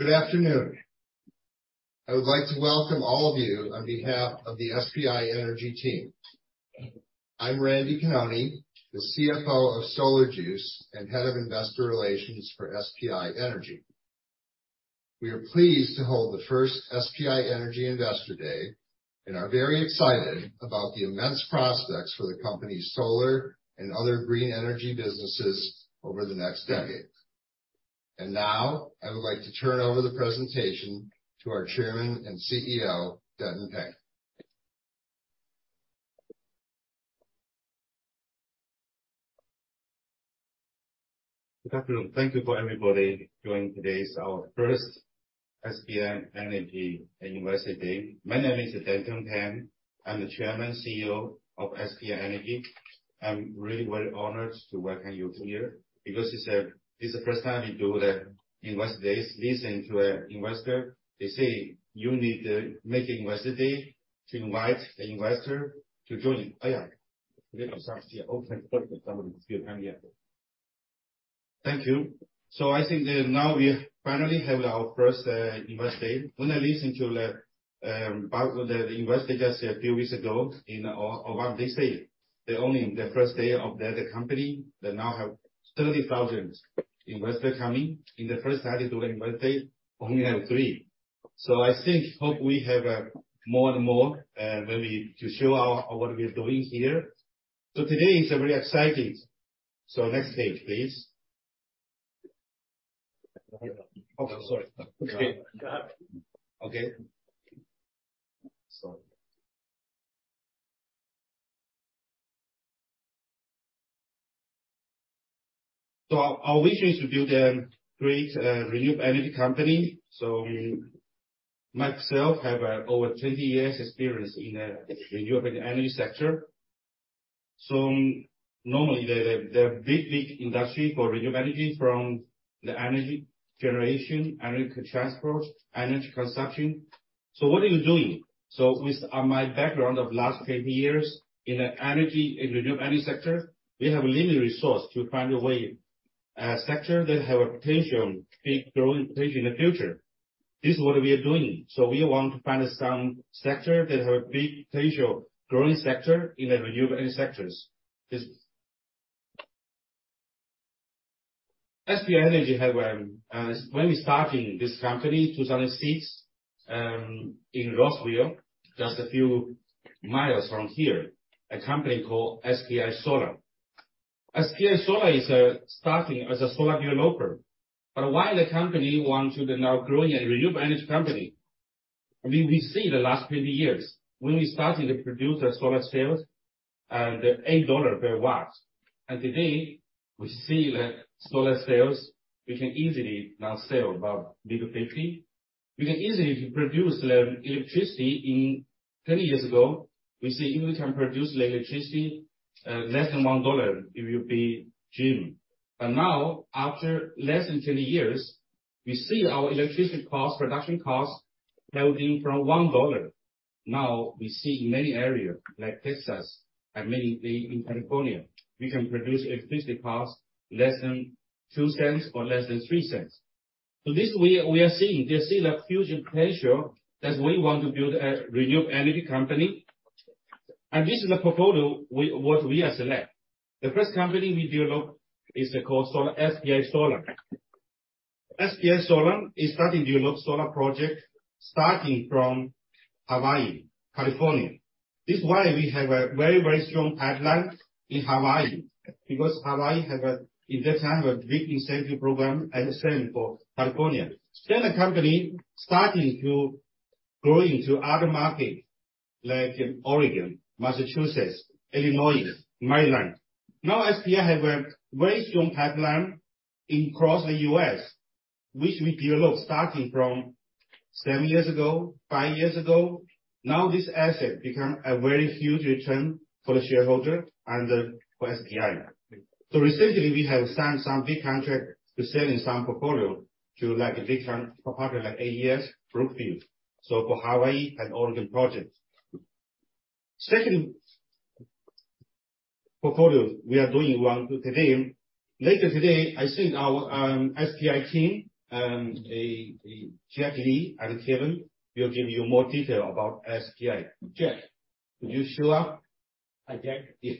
Good afternoon. I would like to welcome all of you on behalf of the SPI Energy team. I'm Randy Conone, the CFO of SolarJuice and Head of Investor Relations for SPI Energy. We are pleased to hold the first SPI Energy Investor Day, and are very excited about the immense prospects for the company's solar and other green energy businesses over the next decade. Now, I would like to turn over the presentation to our Chairman and CEO, Denton Peng. Good afternoon. Thank you for everybody joining today's, our first SPI Energy Investor Day. My name is Denton Peng. I'm the Chairman, CEO of SPI Energy. I'm really very honored to welcome you here because it's the first time we do the Investor Day. Listening to an investor, they say you need to make Investor Day to invite the investor to join. Ayah, Thank you. I think that now we finally have our first Investor Day. When I listen to the part of the investor just a few weeks ago in Oaktree, they say they're only in their first day of the other company, they now have 30,000 investors coming. In the first half during Investor Day, only have 3. I think, hope we have more and more maybe to show our what we are doing here. Today is a very exciting. Next page, please. Yeah. Oh, sorry. Okay. Go ahead. Okay. Sorry. Our vision is to build a great renewable energy company. Myself have over 20 years experience in the renewable energy sector. Normally the big industry for renewable energy from the energy generation, energy transport, energy consumption. What are you doing? With my background of last 10 years in the energy, in renewable energy sector, we have a linear resource to find a way, a sector that have a potential, big growing potential in the future. This is what we are doing. We want to find some sector that have big potential, growing sector in the renewable energy sectors. Business. SPI Energy had when we're starting this company, 2006, in Roseville, just a few miles from here, a company called SPI Solar. SPI Solar is starting as a solar developer. Why the company want to now grow in a renewable energy company? I mean, we see the last 20 years when we started to produce solar cells at $8 per watt. Today, we see that solar cells, we can easily now sell about below $0.50. We can easily produce the electricity. 10 years ago, we say if we can produce the electricity, less than $1, it will be dream. Now, after less than 10 years, we see our electricity cost, production cost building from $1. Now, we see in many areas like Texas and mainly in California, we can produce electricity costs less than $0.02 or less than $0.03. This we are seeing. We are seeing a huge potential that we want to build a renewable energy company. This is the portfolio we, what we have select. The first company we develop is called SPI Solar. SPI Solar is starting to develop solar projects starting from Hawaii, California. This is why we have a very strong pipeline in Hawaii because Hawaii has, in that time, a big incentive program and the same for California. The company starting to grow into other markets like in Oregon, Massachusetts, Illinois, Maryland. SPI have a very s trong pipeline in cross the U.S., which we develop starting from seven years ago, five years ago. This asset become a very huge return for the shareholder and for SPI. Recently, we have signed some big contract to selling some portfolio to like a big fund, a partner like AES, Brookfield. For Hawaii and Oregon projects. Second portfolio we are doing one today. Later today, I think our SPI team, Jack Lee and Kevin will give you more detail about SPI. Jack, could you show up? Hi, Jack. Yeah.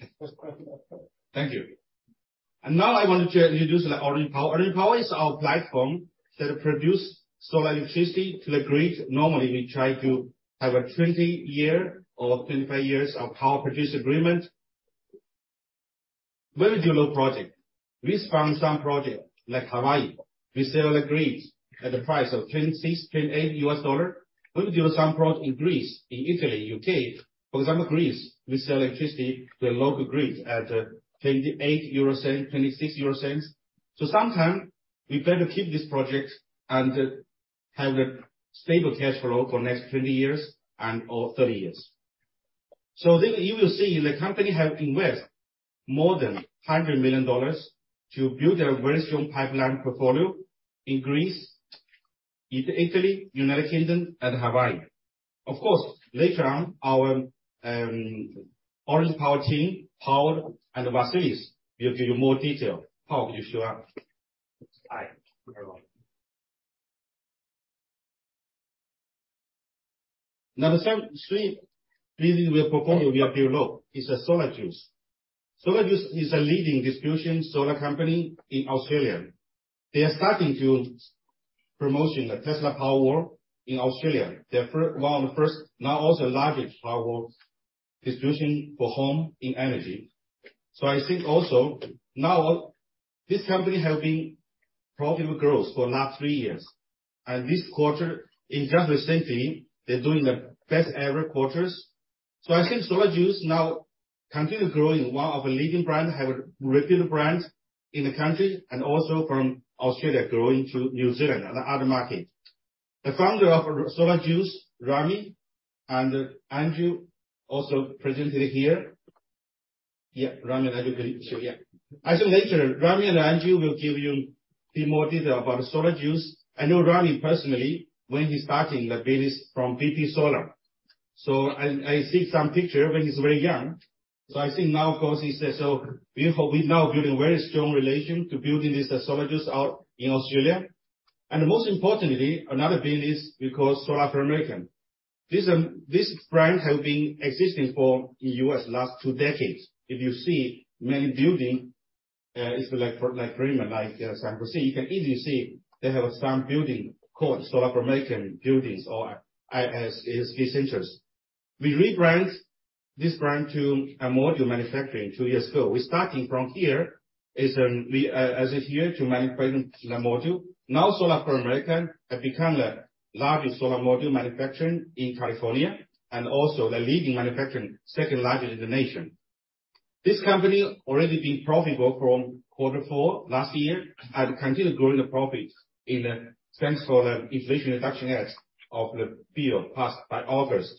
Thank you. Now I want to introduce our Orange Power. Our Orange Power is our platform that produce solar electricity to the grid. Normally, we try to have a 2 years or 25 years of power purchase agreement. When we do a project, we found some project like Hawaii, we sell the grid at the price of $0.26, $0.28. When we do some project in Greece, in Italy, UK, for example, Greece, we sell electricity to the local grid at 0.28, 0.26. Sometimes we better keep this project and have a stable cash flow for next 20 years and, or 30 years. You will see the company have invest more than $100 million to build a very strong pipeline portfolio in Greece, Italy, United Kingdom and Hawaii. Of course, later on, our Orange Power team, Paul and Vassilis will give you more detail. Paul, if you show up. Hi, everyone. The three reasons we are performing we appear low is SolarJuice. SolarJuice is a leading distribution solar company in Australia. They are starting to promotion the Tesla Powerwall in Australia. Their one of the first, now also largest Powerwall distribution for home in energy. I think also now this company have been profitable growth for last three years. This quarter, in just recently, they're doing the best ever quarters. I think SolarJuice now continue growing one of the leading brand, have a reputed brand in the country and also from Australia growing to New Zealand and other market. The founder of SolarJuice, Rami and Andrew, also presented here. Rami and Andrew can show. I think later Rami and Andrew will give you a bit more detail about SolarJuice. I know Rami personally when he's starting the business from BP Solar. I see some picture when he's very young. I think now, of course, he says so we have, we now building very strong relation to building this SolarJuice out in Australia. Most importantly, another business we call Solar for America. This brand have been existing for in U.S. last two decades. If you see many building, it's like for like Fremont, like San Francisco, you can easily see they have some building called Solar for American buildings or essentials. We rebrand this brand to a module manufacturing two years ago. We're starting from here as a here to manufacturing the module. Solar for America have become the largest solar module manufacturer in California and also the leading manufacturer, Second largest in the nation. This company already been profitable from quarter four last year and continue growing the profits in the sense for the Inflation Reduction Act of the bill passed by August.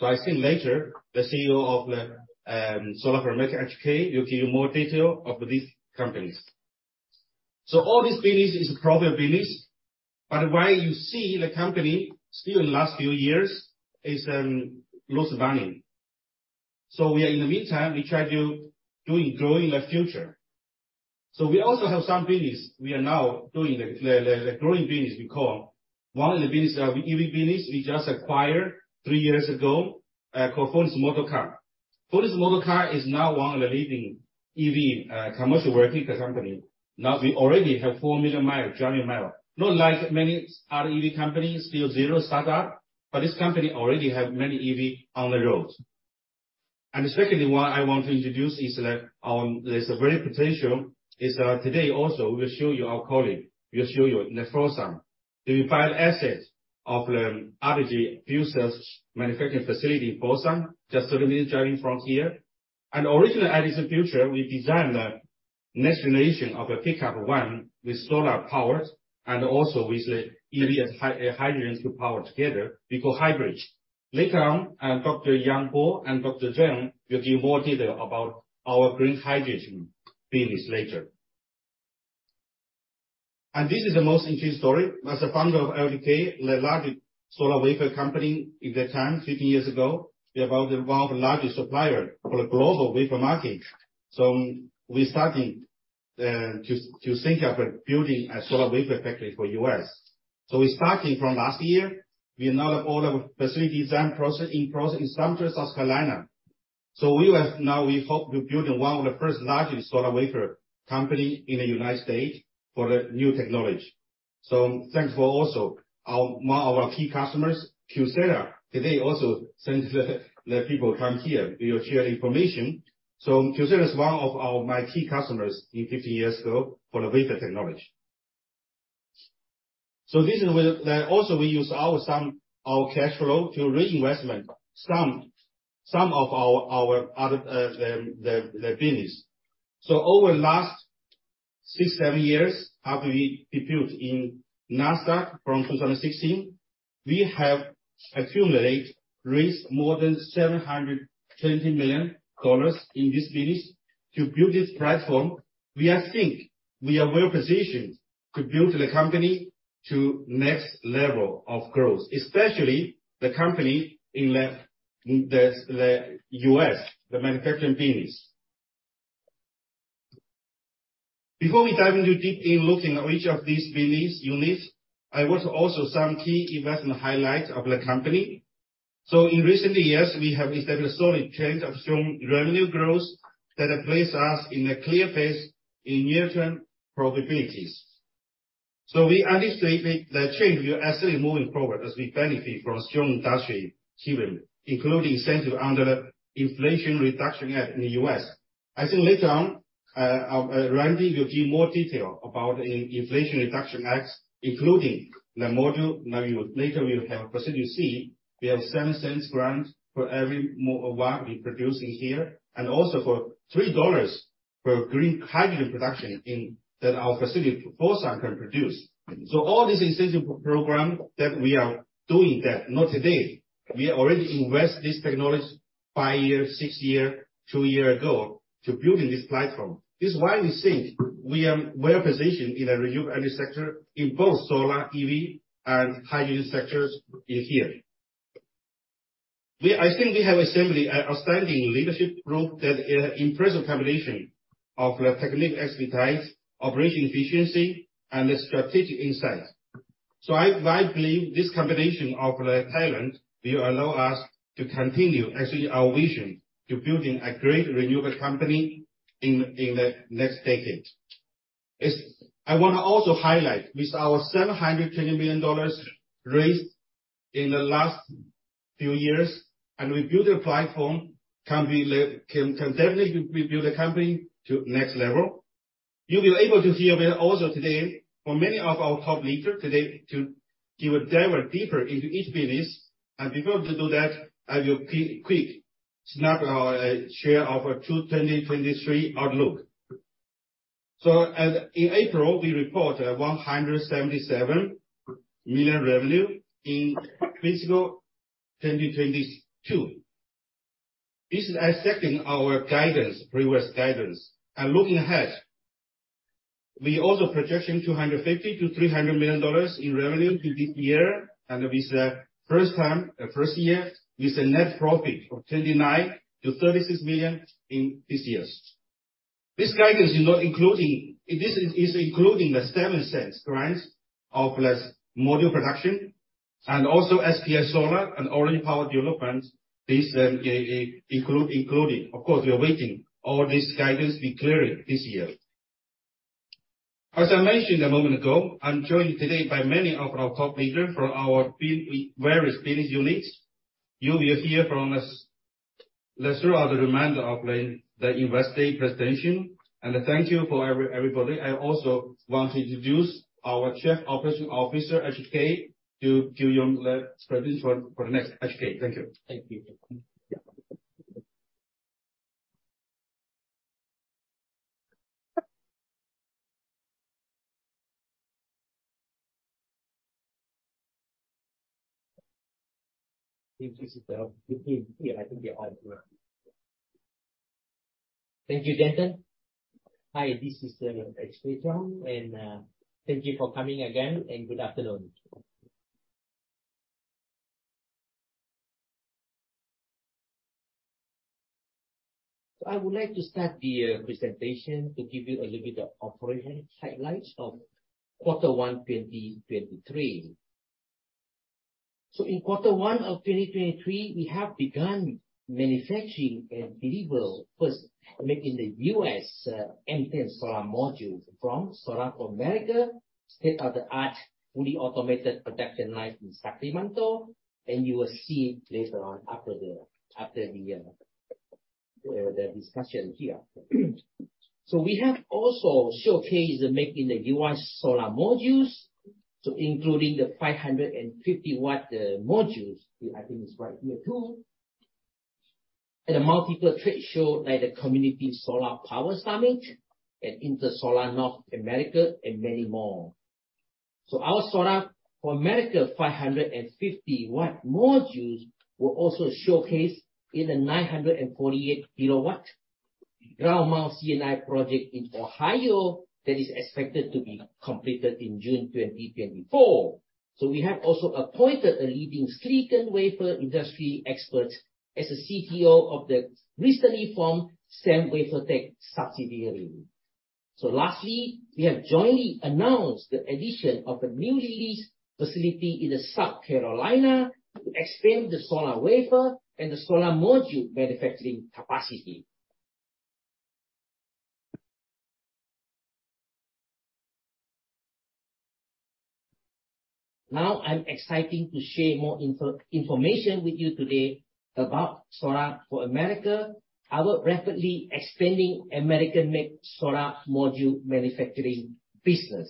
I think later the CEO of the Solar for America HK will give you more detail of these companies. All these business is profitable business, but why you see the company still in last few years is lose money. We are in the meantime, we try to doing growing the future. We also have some business we are now doing the growing business we call. One of the business, our EV business we just acquired three years ago, called Phoenix Motorcars. Phoenix Motorcars is now one of the leading EV commercial working company. Now we already have four million miles, driving mile. Not like many other EV companies, still zero startup, but this company already have many EV on the road. Secondly, what I want to introduce is that on this very potential is, today also we'll show you our colleague, will show you in the Folsom, the final asset of the RBG fuel cells manufacturing facility in Folsom, just 30 minutes driving from here. Originally at EdisonFuture, we designed the next generation of a pickup one with solar-powered and also with the EV hydrogen to power together. We call hybrids. Later on, Dr. Yang Po and Dr. Chen will give more detail about our green hydrogen business later. This is the most interesting story. As a founder of LDK, the largest solar wafer company in that time, 15 years ago, we are about involved the largest supplier for the global wafer market. We starting to think of building a solar wafer factory for U.S. We starting from last year. We are now at all our facility design process in progress in Sumter, South Carolina. We will now hope to build one of the first largest solar wafer company in the United States for the new technology. Thanks for also our one of our key customers, Kyocera, today also send the people come here to share information. Kyocera is one of our, my key customers in 15 years ago for the wafer technology. This is where also we use our some, our cash flow to reinvestment some of our other the business. Over last six, seven years after we debuted in Nasdaq from 2016, we have raised more than $720 million in this business to build this platform. We are think we are well-positioned to build the company to next level of growth, especially the company in the U.S., the manufacturing business. Before we dive into deep in looking at each of these business units, I want to also some key investment highlights of the company. In recent years, we have established solid trend of strong revenue growth that have placed us in a clear path in near-term profitabilities. We anticipate the trend will actually move forward as we benefit from strong industry given including incentive under the Inflation Reduction Act in the U.S. I think later on, Randy Conone will give more detail about Inflation Reduction Act, including the module. You later will have facility C. We have a $0.07 grant for every watt we produce in here and also for $3 for green hydrogen production in our facility Folsom can produce. All this incentive program that we are doing that not today, we already invest this technology five year, six year, two year ago to building this platform. This is why we think we are well-positioned in the renewable energy sector in both solar, EV, and hydrogen sectors in here. I think we have assembled a outstanding leadership group that impressive combination of technical expertise, operational efficiency, and strategic insight. I believe this combination of talent will allow us to continue executing our vision to building a great renewable company in the next decade. I wanna also highlight, with our $700 trillion million dollars raised in the last few years, we build the platform, can definitely build the company to next level. You'll be able to hear where also today from many of our top leader today to give a dive deeper into each business. Before to do that, I will quick snap our share of to 2023 outlook. As in April, we report a $177 million revenue in fiscal 2022. This is accepting our guidance, previous guidance. Looking ahead, we also projection $250 million to $300 million in revenue in this year. With the first year, with a net profit of $29 million to $36 million in this year. This is including the $0.07 grant of less module production, and also SPI Solar and Orange Power developments. This included. Of course, we are waiting all this guidance declared this year. As I mentioned a moment ago, I'm joined today by many of our top leaders from our various business units. You will hear from us throughout the remainder of the investor presentation. Thank you for everybody. I also want to introduce our Chief Operating Officer, HK, to you the presentation for the next. HK, thank you. Thank you. Yeah. I think they're all here. Thank you, Denton Peng. Hi, this is H.K. Cheong, and thank you for coming again, and good afternoon. I would like to start the presentation to give you a little bit of operational highlights of Q1 2023. In Q1 2023, we have begun manufacturing and deliver first made in the U.S. M10 solar modules from Solar for America, state-of-the-art, fully automated production line in Sacramento. You will see later on after the discussion here. We have also showcased the make in the U.S. solar modules, including the 550 watt modules. I think it's right here, too. At a multiple trade show like the Community Solar Power Summit and Intersolar North America, and many more. Our Solar for America 550 W modules were also showcased in a 948 kW ground mount C&I project in Ohio that is expected to be completed in June 2024. We have also appointed a leading silicon wafer industry expert as the CTO of the recently formed SEM Wafertech subsidiary. Lastly, we have jointly announced the addition of the newly leased facility in South Carolina to expand the solar wafer and the solar module manufacturing capacity. Now, I'm exciting to share more information with you today about Solar for America, our rapidly expanding American-made solar module manufacturing business.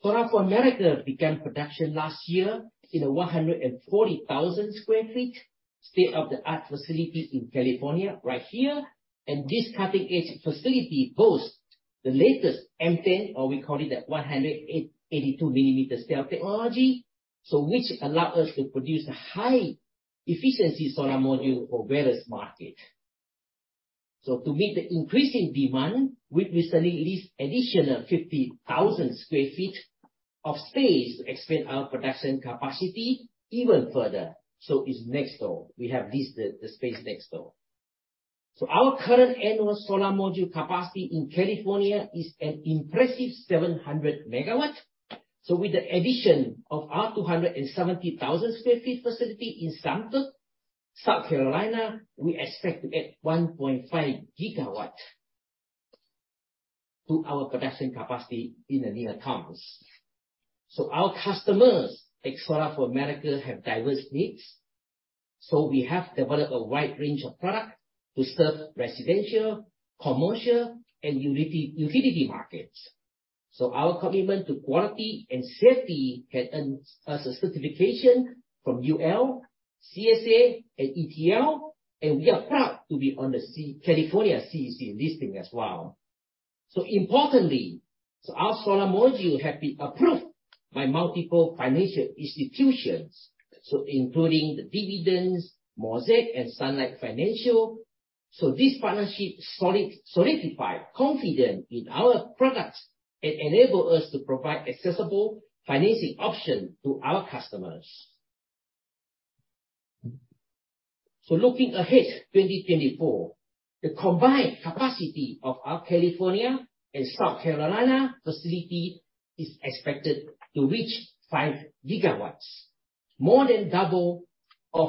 Solar for America began production last year in a 140,000 sq ft state-of-the-art facility in California right here. This cutting-edge facility boasts the latest M10, or we call it the 182 mm cell technology. Which allow us to produce high-efficiency solar module for various markets. To meet the increasing demand, we've recently leased additional 50,000 sq ft of space to expand our production capacity even further. It's next door. We have leased the space next door. Our current annual solar module capacity in California is an impressive 700 MW. With the addition of our 270,000 sq ft facility in Sumter, South Carolina, we expect to get 1.5 GW to our production capacity in the near term. Our customers at Solar for America have diverse needs, so we have developed a wide range of products to serve residential, commercial, and utility markets. Our commitment to quality and safety has earned us a certification from UL, CSA, and ETL, and we are proud to be on the California CEC listing as well. Importantly, our solar module have been approved by multiple financial institutions, including the Dividends, Mosaic, and Sunlight Financial. This partnership solidify confident in our products and enable us to provide accessible financing option to our customers. Looking ahead, 2024, the combined capacity of our California and South Carolina facility is expected to reach 5 GWs, more than double of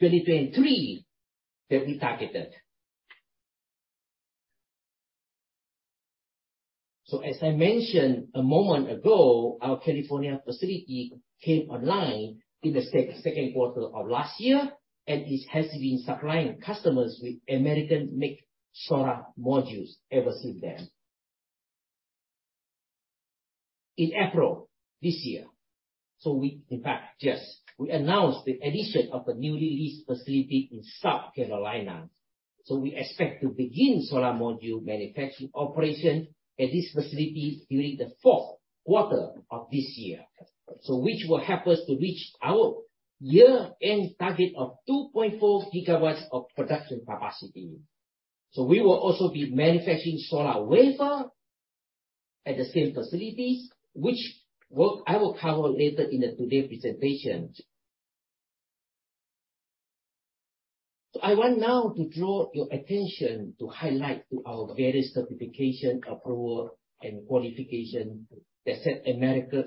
2023 that we targeted. As I mentioned a moment ago, our California facility came online in the second quarter of last year, and it has been supplying customers with American-made solar modules ever since then. In April this year, we in fact just announced the addition of a newly leased facility in South Carolina. We expect to begin solar module manufacturing operation at this facility during the fourth quarter of this year. Which will help us to reach our year-end target of 2.4 GWs of production capacity. We will also be manufacturing solar wafer at the same facilities, which work I will cover later in today's presentation. I want now to draw your attention to highlight to our various certification, approval, and qualification that set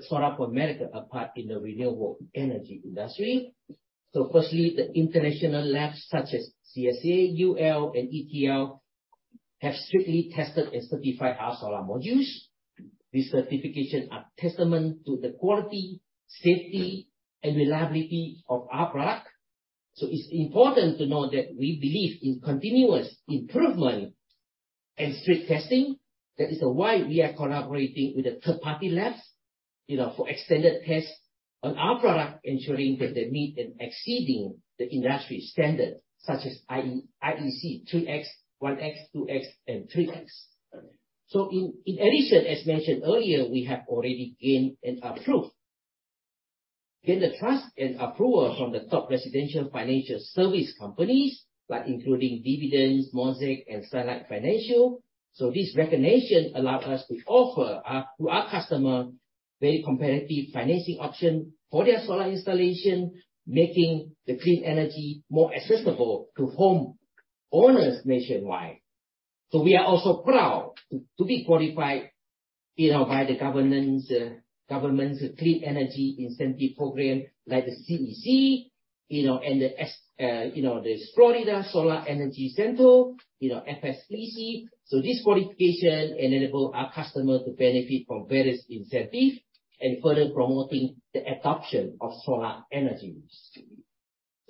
Solar for America apart in the renewable energy industry. Firstly, the international labs such as CSA, UL, and ETL have strictly tested and certified our solar modules. These certifications are testament to the quality, safety, and reliability of our product. It's important to know that we believe in continuous improvement and strict testing. That is why we are collaborating with the third-party labs, you know, for extended tests on our product, ensuring that they meet and exceeding the industry standard such as IEC 2X, 1X, 2X, and 3X. In addition, as mentioned earlier, we have already gained the trust and approval from the top residential financial service companies, like including Dividend Finance, Mosaic, and Sunlight Financial. This recognition allow us to offer to our customer very competitive financing option for their solar installation, making the clean energy more accessible to home owners nationwide. We are also proud to be qualified, you know, by the government's clean energy incentive program like the CEC and the Florida Solar Energy Center, you know, FSEC. This qualification enable our customers to benefit from various incentive and further promoting the adoption of solar energy.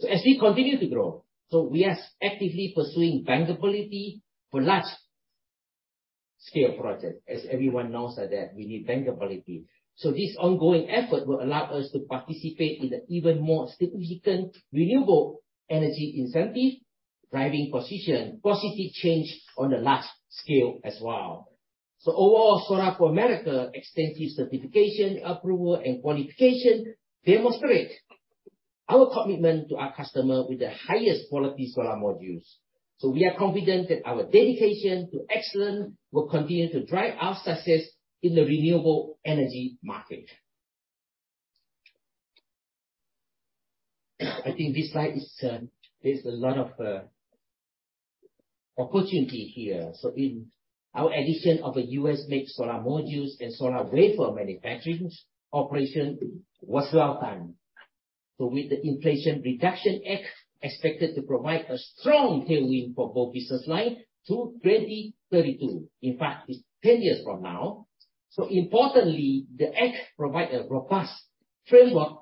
As we continue to grow, so we are actively pursuing bankability for large-scale projects. As everyone knows that we need bankability. This ongoing effort will allow us to participate in even more significant renewable energy incentive, driving positive change on the large scale as well. Overall, Solar4America extensive certification, approval, and qualification demonstrate our commitment to our customer with the highest quality solar modules. We are confident that our dedication to excellence will continue to drive our success in the renewable energy market. I think this slide is, there's a lot of opportunity here. In our addition of a U.S. made solar modules and solar wafer manufacturing's operation was well-timed. With the Inflation Reduction Act expected to provide a strong tailwind for both business line through 2032. In fact, it's 10 years from now. Importantly, the Act provide a robust framework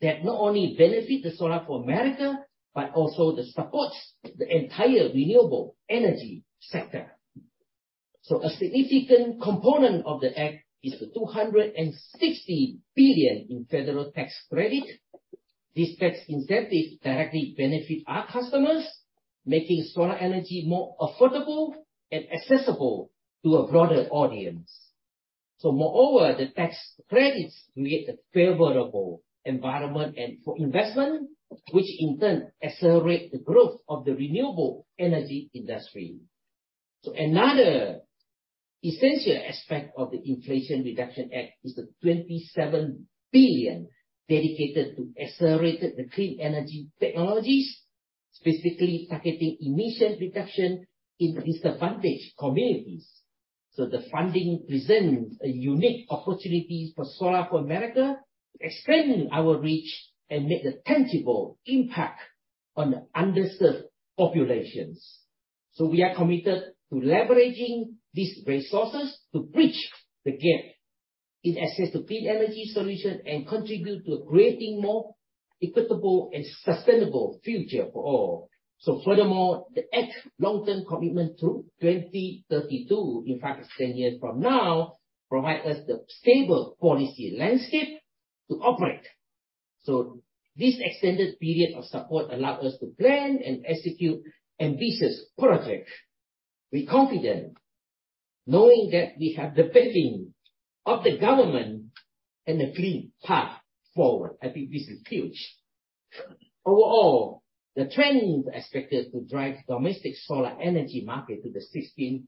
that not only benefit the Solar for America, but also that supports the entire renewable energy sector. A significant component of the Act is the $260 billion in federal tax credit. This tax incentive directly benefit our customers, making solar energy more affordable and accessible to a broader audience. Moreover, the tax credits create a favorable environment and for investment, which in turn accelerate the growth of the renewable energy industry. Another essential aspect of the Inflation Reduction Act is the $27 billion dedicated to accelerated the clean energy technologies, specifically targeting emission reduction in disadvantaged communities. The funding presents a unique opportunity for Solar for America to expand our reach and make a tangible impact on the underserved populations. We are committed to leveraging these resources to bridge the gap in access to clean energy solution and contribute to creating more equitable and sustainable future for all. Furthermore, the Act's long-term commitment to 2032, in fact it's 10 years from now, provide us the stable policy landscape to operate. This extended period of support allowed us to plan and execute ambitious projects. We're confident knowing that we have the backing of the government and a clear path forward. I think this is huge. Overall, the trend is expected to drive domestic solar energy market to $16.9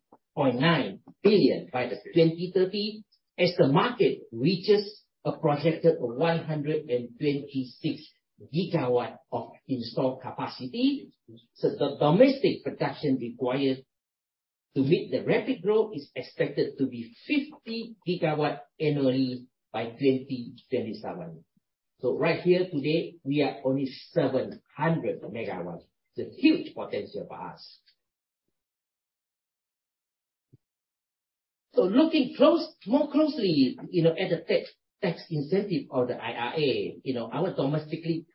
billion by 2030 as the market reaches a projected 126 GW of installed capacity. The domestic production required to meet the rapid growth is expected to be 50 GW annually by 2027. Right here today we are only 700 MW. It's a huge potential for us. Looking close, more closely, you know, at the tax incentive of the IRA, you know, our domestically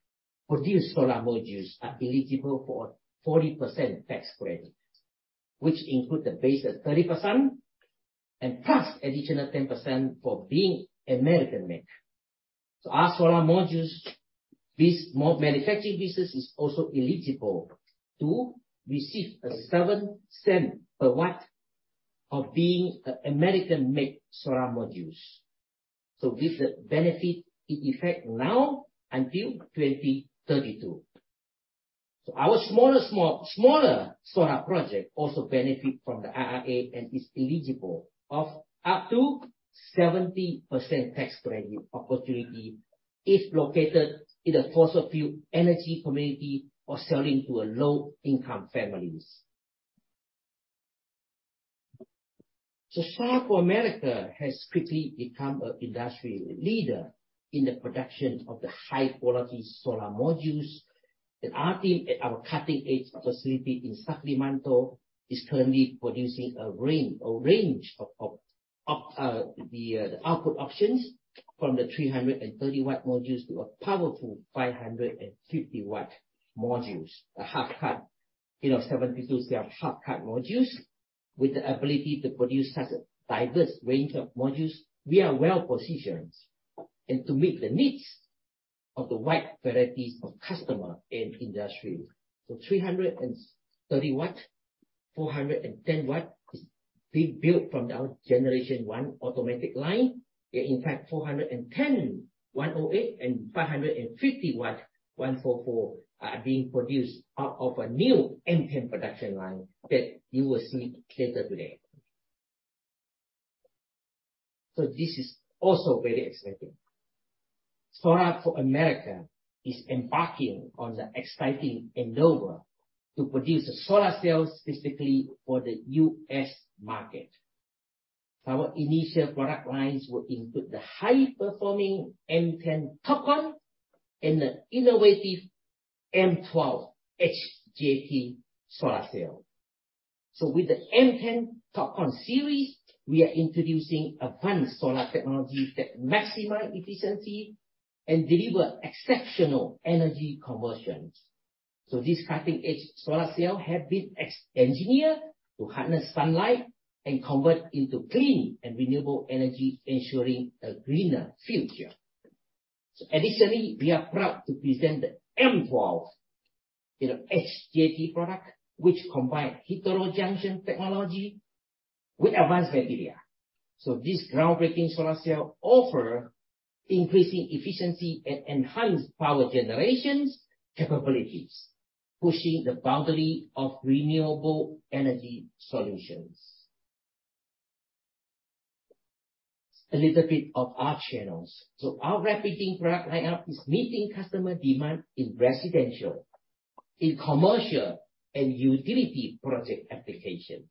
produced solar modules are eligible for 40% tax credit, which include the base at 30% and plus additional 10% for being American-made. Our solar modules, this manufacturing business is also eligible to receive a $0.07 per watt of being a American-made solar modules. With the benefit in effect now until 2032. Our smaller solar project also benefit from the IRA and is eligible of up to 70% tax credit opportunity if located in a fossil fuel energy community or selling to a low-income families. Solar for America has quickly become a industry leader in the production of the high-quality solar modules. Our team at our cutting-edge facility in Sacramento is currently producing a range of the output options from the 330 watt modules to a powerful 550 watt modules. A half-cut, you know, 72-cell half-cut modules. With the ability to produce such a diverse range of modules, we are well-positioned and to meet the needs of the wide varieties of customer and industry. 330 watt, 410 watt is being built from our Gen 1 automatic line. In fact, 410, 108 and 550 watt, 144, are being produced out of a new M10 production line that you will see later today. This is also very exciting. Solar4America is embarking on the exciting endeavor to produce solar cells specifically for the U.S. market. Our initial product lines will include the high-performing M10 TOPCon and the innovative M12 HJT solar cell. With the M10 TOPCon series, we are introducing advanced solar technologies that maximize efficiency and deliver exceptional energy conversions. This cutting-edge solar cell have been engineered to harness sunlight and convert into clean and renewable energy, ensuring a greener future. Additionally, we are proud to present the M12 HJT product, which combine heterojunction technology with advanced material. This groundbreaking solar cell offer increasing efficiency and enhanced power generations capabilities, pushing the boundary of renewable energy solutions. A little bit of our channels. Our rapidly product line-up is meeting customer demand in residential, in commercial and utility project applications.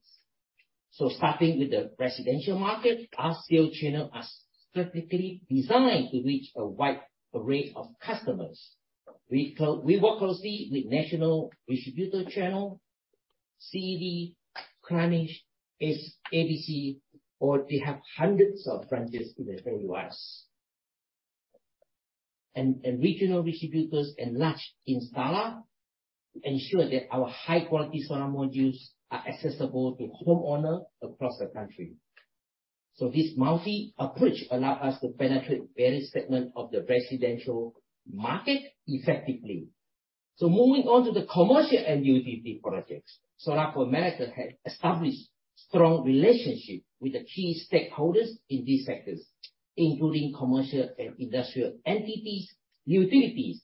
Starting with the residential market, our sales channel are strategically designed to reach a wide array of customers. We work closely with national distributor channel, CED, Krannich, SABC, or they have hundreds of branches in the entire U.S. And regional distributors and large installer ensure that our high-quality solar modules are accessible to homeowner across the country. This multi-approach allow us to penetrate various segment of the residential market effectively. Moving on to the commercial and utility projects. Solar for America has established strong relationship with the key stakeholders in these sectors, including commercial and industrial entities, utilities,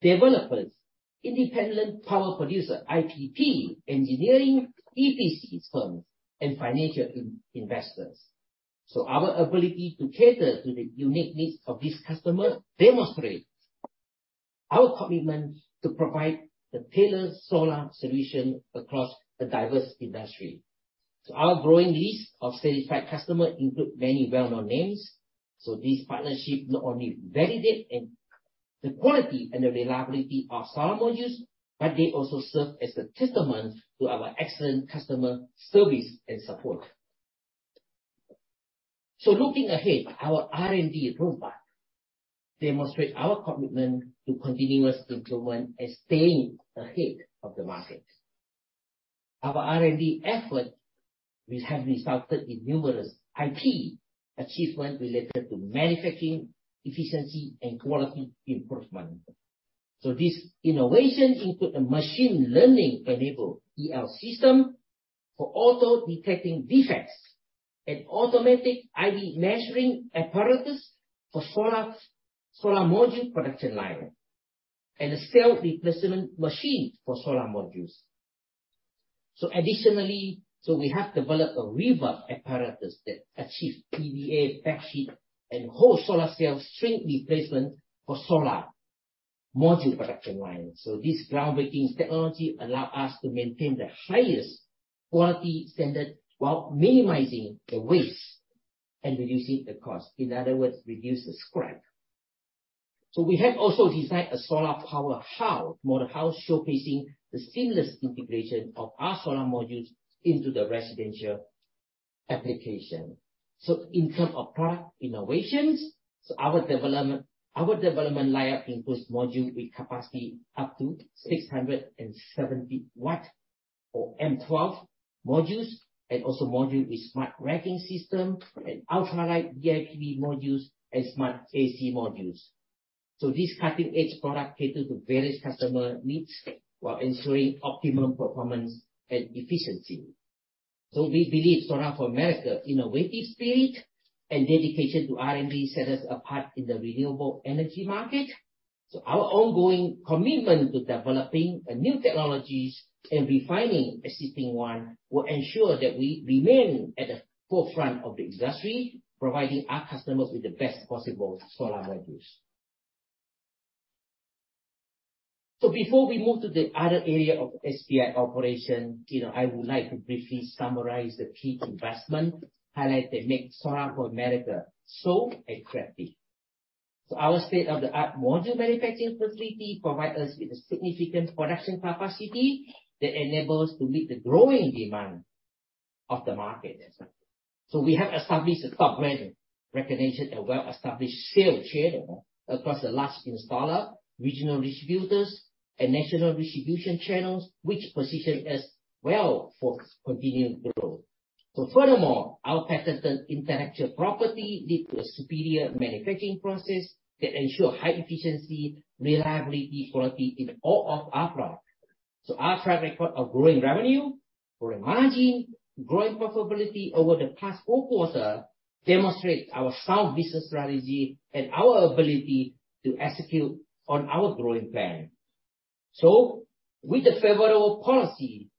developers, independent power producer, IPP, engineering, EPC firms, and financial investors. Our ability to cater to the unique needs of these customers demonstrate our commitment to provide the tailored solar solution across a diverse industry. Our growing list of satisfied customer include many well-known names. This partnership not only validate and the quality and the reliability of solar modules, but they also serve as a testament to our excellent customer service and support. Looking ahead, our R&D roadmap demonstrate our commitment to continuous improvement and staying ahead of the market. Our R&D effort, which have resulted in numerous IP achievement related to manufacturing efficiency and quality improvement. This innovation include a machine learning-enabled EL system for auto-detecting defects and automatic ID measuring apparatus for solar module production line, and a cell replacement machine for solar modules. Additionally, we have developed a reverb apparatus that achieves EVA backsheet and whole solar cell string replacement for solar module production line. This groundbreaking technology allow us to maintain the highest quality standard while minimizing the waste and reducing the cost. In other words, reduce the scrap. We have also designed a solar powerhouse model house showcasing the seamless integration of our solar modules into the residential application. In terms of product innovations, our development lineup includes module with capacity up to 670 watt or M12 modules. Also module with smart racking system and ultra light VIP modules and smart AC modules. This cutting-edge product cater to various customer needs while ensuring optimum performance and efficiency. We believe Solar for America innovative spirit and dedication to R&D set us apart in the renewable energy market. Our ongoing commitment to developing new technologies and refining existing one will ensure that we remain at the forefront of the industry, providing our customers with the best possible solar modules. Before we move to the other area of SPI operation, you know, I would like to briefly summarize the key investment highlight that make Solar for America so attractive. Our state-of-the-art module manufacturing facility provide us with a significant production capacity that enable us to meet the growing demand of the market. We have established a top brand recognition and well-established sales channel across a large installer, regional distributors, and national distribution channels, which position us well for continued growth. Furthermore, our patented intellectual property lead to a superior manufacturing process that ensure high efficiency, reliability, quality in all of our products. Our track record of growing revenue, growing margin, growing profitability over the past four quarter demonstrate our sound business strategy and our ability to execute on our growing plan. With the favorable policy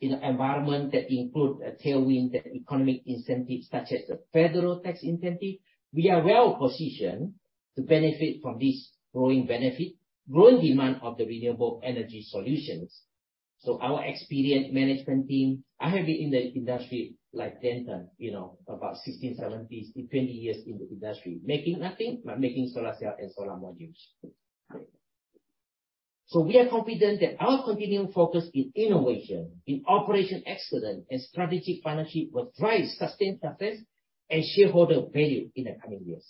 in an environment that include a tailwind and economic incentives such as the federal tax incentive, we are well-positioned to benefit from this growing benefit, growing demand of the renewable energy solutions. Our experienced management team, I have been in the industry like Denton, you know, about 16, 17 to 20 years in the industry, making nothing but making solar cell and solar modules. We are confident that our continuing focus in innovation, in operation excellence, and strategic partnership will drive sustained success and shareholder value in the coming years.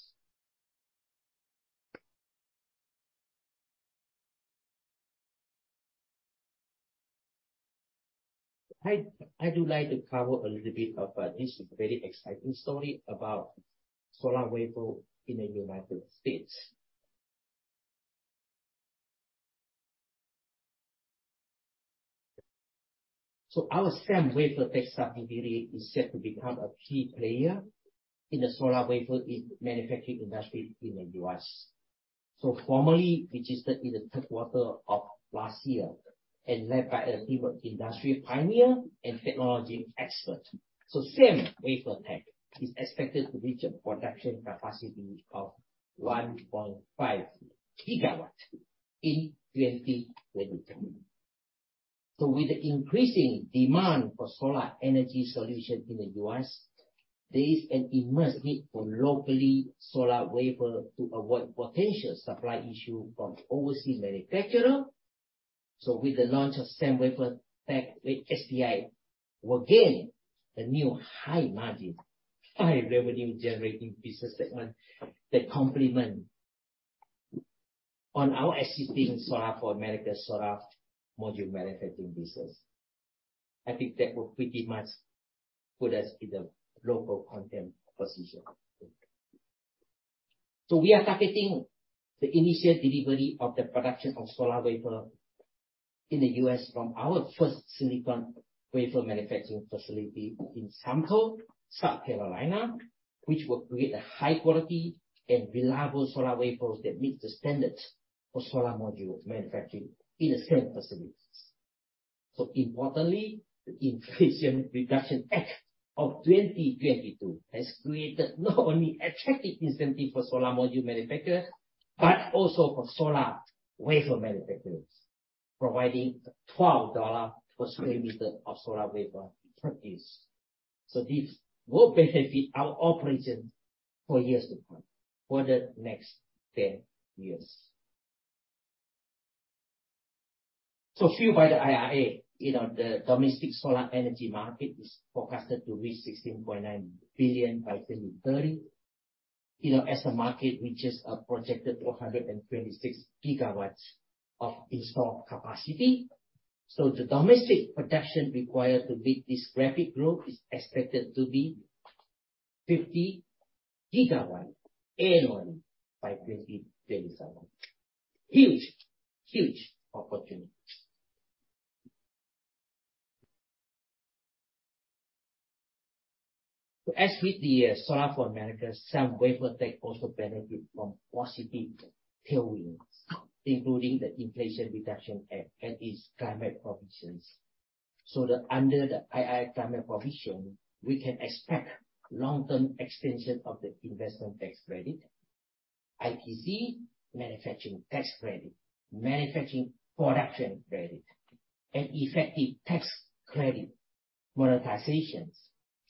I do like to cover a little bit of this very exciting story about solar wafer in the United States. Our SEM Wafertech subsidiary is set to become a key player in the solar wafer manufacturing industry in the U.S. Formally registered in the third quarter of last year and led by a team of industry pioneer and technology expert. SEM Wafertech is expected to reach a production capacity of 1.5 GW in 2022. With the increasing demand for solar energy solution in the U.S., there is an immense need for locally solar wafer to avoid potential supply issue from overseas manufacturer. With the launch of SEM Wafertech, SPI Energy will gain the new high margin, high revenue generating business segment that complement on our existing Solar for America solar module manufacturing business. I think that will pretty much put us in the local content position. We are targeting the initial delivery of the production of solar wafer in the U.S. from our first silicon wafer manufacturing facility in Sumter, South Carolina, which will create a high quality and reliable solar wafers that meet the standards for solar module manufacturing in the same facilities. Importantly, the Inflation Reduction Act of 2022 has created not only attractive incentive for solar module manufacturer, but also for solar wafer manufacturers, providing $12 per square meter of solar wafer produced. This will benefit our operations for years to come, for the next 10 years. Fueled by the IRA, you know, the domestic solar energy market is forecasted to reach $16.9 billion by 2030. You know, as a market which is projected 426 GWs of installed capacity. The domestic production required to meet this rapid growth is expected to be 50 GWs annually by 2027. Huge opportunity. As with the Solar for America, SEM Wafertech also benefit from positive tailwinds, including the Inflation Reduction Act and its climate provisions. Under the IRA climate provision, we can expect long-term extension of the investment tax credit, ITC manufacturing tax credit, manufacturing production credit, and effective tax credit monetizations.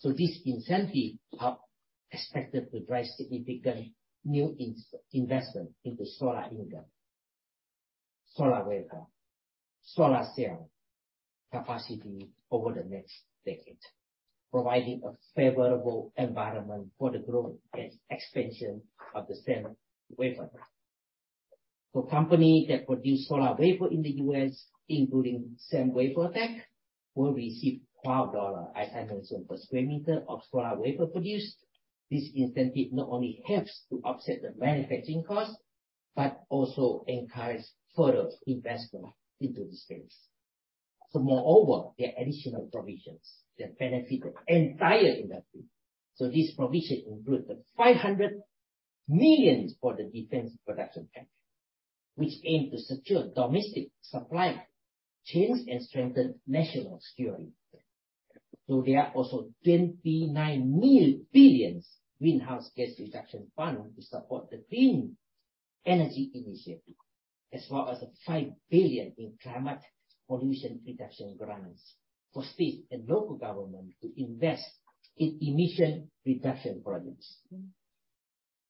These incentives are expected to drive significant new investment into solar ingots, solar wafer, solar cell capacity over the next decade, providing a favorable environment for the growth and expansion of the cell wafer. For companies that produce solar wafer in the U.S., including SEM Wafertech, will receive $12 as I mentioned per square meter of solar wafer produced. This incentive not only helps to offset the manufacturing cost, but also encourage further investment into the space. Moreover, there are additional provisions that benefit the entire industry. These provisions include the $500 million for the Defense Production Act, which aim to secure domestic supply chains and strengthen national security. There are also $29 billion Greenhouse Gas Reduction Fund to support the clean energy initiative, as well as the $5 billion in Climate Pollution Reduction grants for state and local government to invest in emission reduction projects.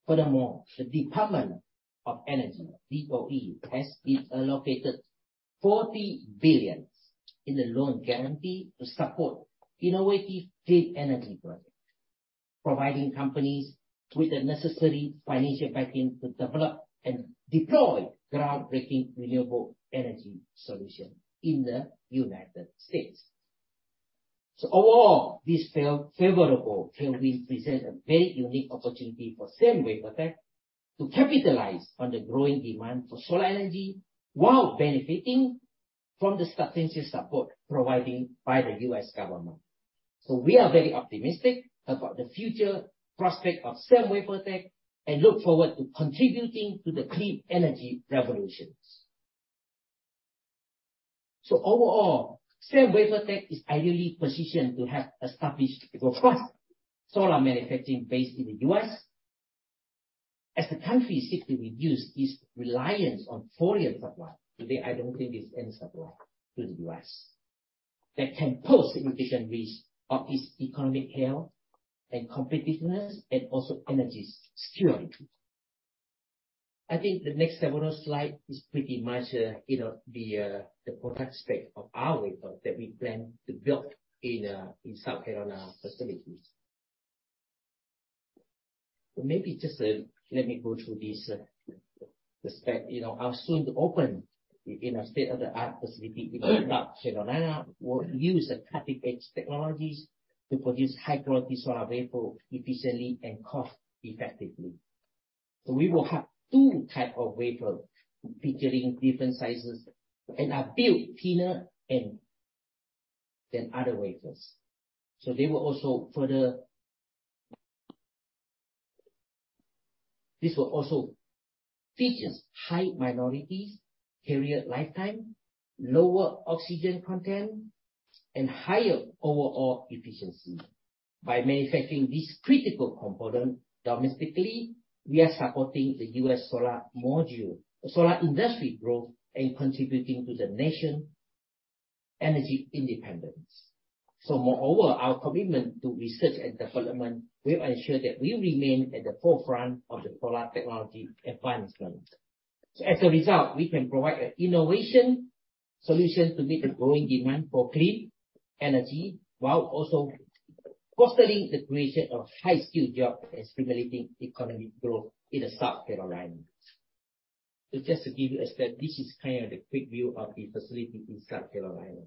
Furthermore, the Department of Energy, DOE, has been allocated $40 billion in the loan guarantee to support innovative clean energy projects. Providing companies with the necessary financial backing to develop and deploy groundbreaking renewable energy solution in the United States. Overall, this favorable tailwind present a very unique opportunity for SEM Wafertech to capitalize on the growing demand for solar energy while benefiting from the substantial support provided by the U.S. government. We are very optimistic about the future prospect of SEM Wafertech, and look forward to contributing to the clean energy revolutions. Overall, SEM Wafertech is ideally positioned to have established a robust solar manufacturing base in the U.S. as the country seeks to reduce its reliance on foreign supply. Today, I don't think there's any supply to the U.S., that can pose significant risk of its economic health and competitiveness and also energy security. I think the next several slide is pretty much, you know, the product spec of our wafer that we plan to build in South Carolina facilities. Maybe just let me go through this the spec. You know, our soon-to-open, you know, state-of-the-art facility in Rock Hill, South Carolina, will use the cutting-edge technologies to produce high-quality solar wafer efficiently and cost effectively. We will have two type of wafer featuring different sizes, are built thinner than other wafers. This will also features high minorities, carrier lifetime, lower oxygen content, and higher overall efficiency. By manufacturing this critical component domestically, we are supporting the U.S. solar module, solar industry growth, and contributing to the nation energy independence. Moreover, our commitment to research and development will ensure that we remain at the forefront of the solar technology advancements. As a result, we can provide an innovation solution to meet the growing demand for clean energy, while also fostering the creation of high-skilled jobs and stimulating economic growth in the South Carolina. Just to give you a spec, this is kind of the quick view of the facility in South Carolina.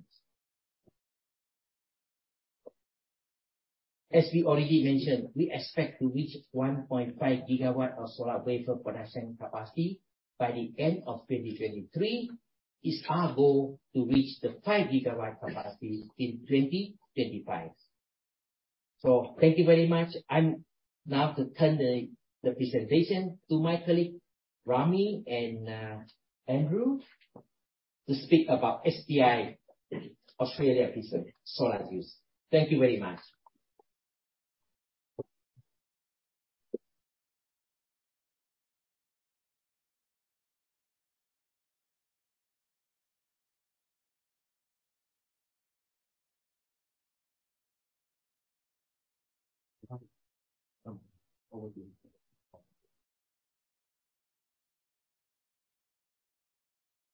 As we already mentioned, we expect to reach 1.5 GW of solar wafer production capacity by the end of 2023. It's our goal to reach the 5 GW capacity in 2025. Thank you very much. I'm now to turn the presentation to my colleague, Rami and Andrew, to speak about SPI Australia business, solar business. Thank you very much. Over to you.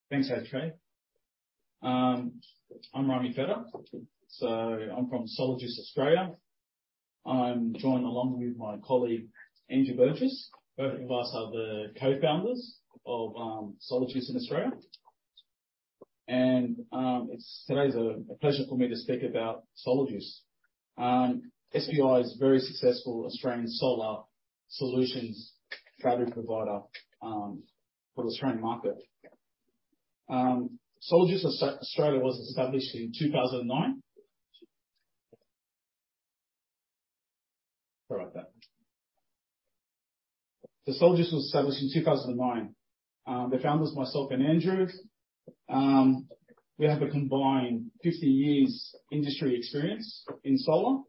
Thanks, Cheong. I'm Rami Fedda. I'm from SolarJuice Australia. I'm joined along with my colleague, Andrew Burgess. Both of us are the co-founders of SolarJuice in Australia. Today is a pleasure for me to speak about SolarJuice. SPI is a very successful Australian solar solutions trading provider for the Australian market. SolarJuice Australia was established in 2009. Sorry about that. SolarJuice was established in 2009. The founders myself and Andrew. We have a combined 50 years industry experience in solar.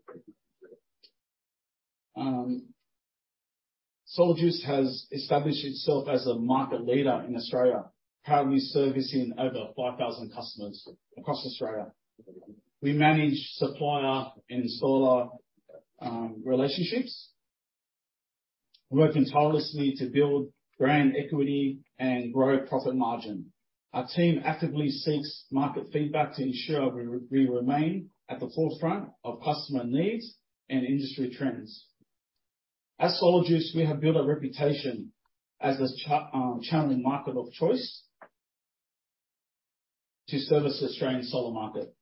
SolarJuice has established itself as a market leader in Australia, currently servicing over 5,000 customers across Australia. We manage supplier and solar relationships. We're working tirelessly to build brand equity and grow profit margin. Our team actively seeks market feedback to ensure we remain at the forefront of customer needs and industry trends. At SolarJuice, we have built a reputation as a channeling market of choice to service the Australian solar market.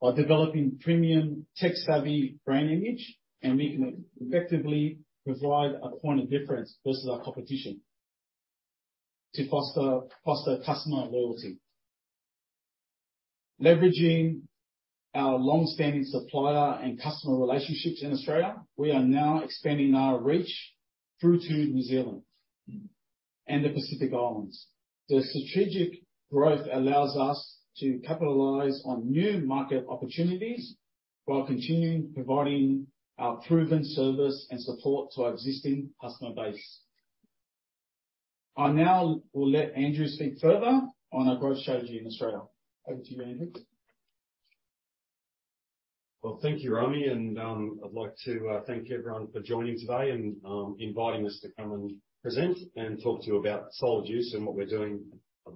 By developing premium tech-savvy brand image, and we can effectively provide a point of difference versus our competition to foster customer loyalty. Leveraging our long-standing supplier and customer relationships in Australia, we are now expanding our reach through to New Zealand and the Pacific Islands. The strategic growth allows us to capitalize on new market opportunities while continuing providing our proven service and support to our existing customer base. I now will let Andrew speak further on our growth strategy in Australia. Over to you, Andrew. Well, thank you, Rami. I'd like to thank everyone for joining today and inviting us to come and present and talk to you about SolarJuice and what we're doing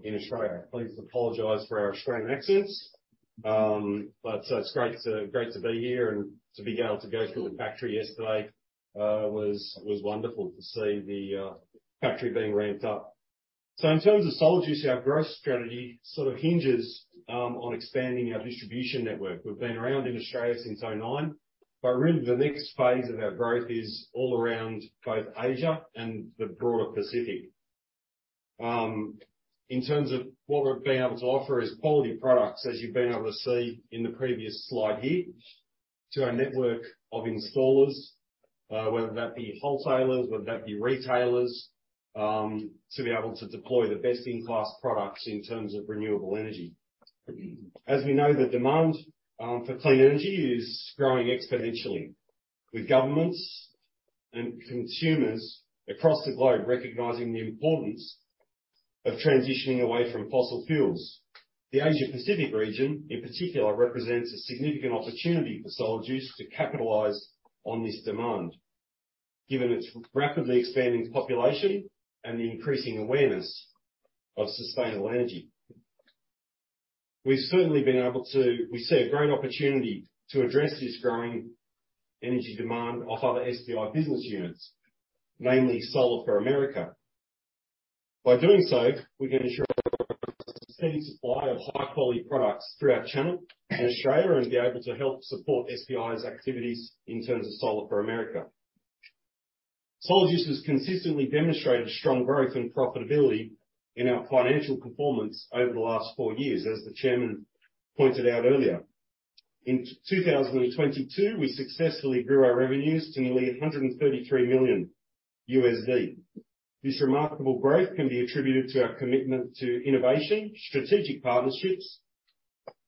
in Australia. Please apologize for our Australian accents. It's great to be here and to be able to go through the factory yesterday, was wonderful to see the factory being ramped up. In terms of SolarJuice, our growth strategy sort of hinges on expanding our distribution network. We've been around in Australia since 2009, but really the next phase of our growth is all around both Asia and the broader Pacific. In terms of what we've been able to offer is quality products, as you've been able to see in the previous slide here, to our network of installers, whether that be wholesalers, whether that be retailers, to be able to deploy the best-in-class products in terms of renewable energy. As we know, the demand for clean energy is growing exponentially with governments and consumers across the globe recognizing the importance of transitioning away from fossil fuels. The Asia Pacific region, in particular, represents a significant opportunity for SolarJuice to capitalize on this demand, given its rapidly expanding population and the increasing awareness of sustainable energy. We see a great opportunity to address this growing energy demand of other SPI business units, namely Solar for America. By doing so, we can ensure a steady supply of high-quality products through our channel in Australia and be able to help support SPI's activities in terms of Solar for America. SolarJuice has consistently demonstrated strong growth and profitability in our financial performance over the last four years, as the chairman pointed out earlier. In 2022, we successfully grew our revenues to nearly $133 million. This remarkable growth can be attributed to our commitment to innovation, strategic partnerships,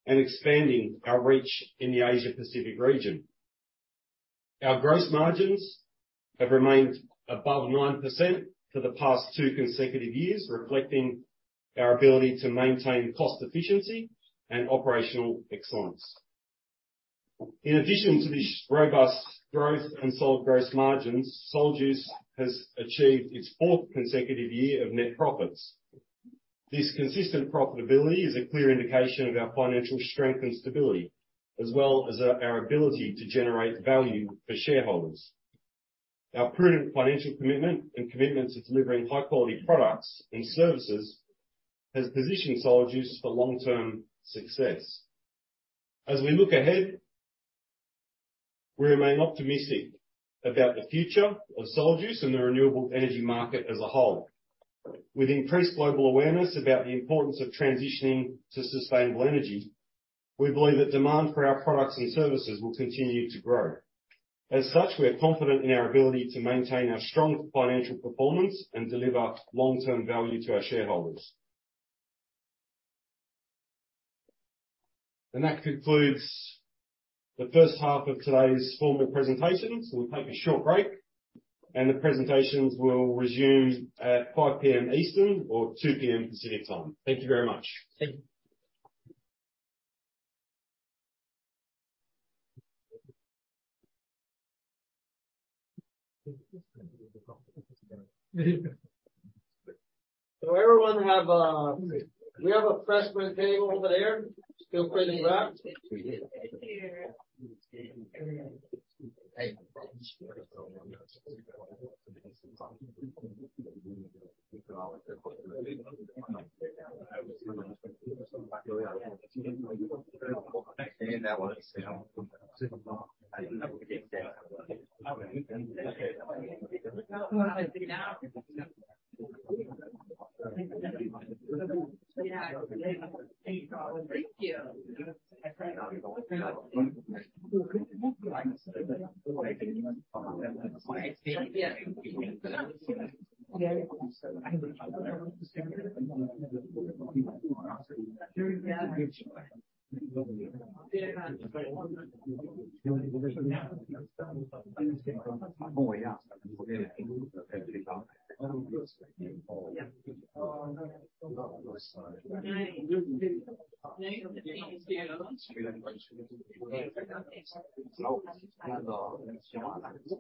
and expanding our reach in the Asia Pacific region. Our gross margins have remained above 9% for the past two consecutive years, reflecting our ability to maintain cost efficiency and operational excellence. In addition to this robust growth and solid gross margins, SolarJuice has achieved its fourth consecutive year of net profits. This consistent profitability is a clear indication of our financial strength and stability, as well as our ability to generate value for shareholders. Our prudent financial commitment and commitment to delivering high-quality products and services has positioned SolarJuice for long-term success. As we look ahead, we remain optimistic about the future of SolarJuice and the renewable energy market as a whole. With increased global awareness about the importance of transitioning to sustainable energy, we believe that demand for our products and services will continue to grow. As such, we are confident in our ability to maintain our strong financial performance and deliver long-term value to our shareholders. That concludes the first half of today's formal presentation. We'll take a short break, and the presentations will resume at 5:00 P.M. Eastern or 2:00 P.M. Pacific Time. Thank you very much. Thank you. Everyone we have a freshman table over there. Still pretty wrapped. Thank you.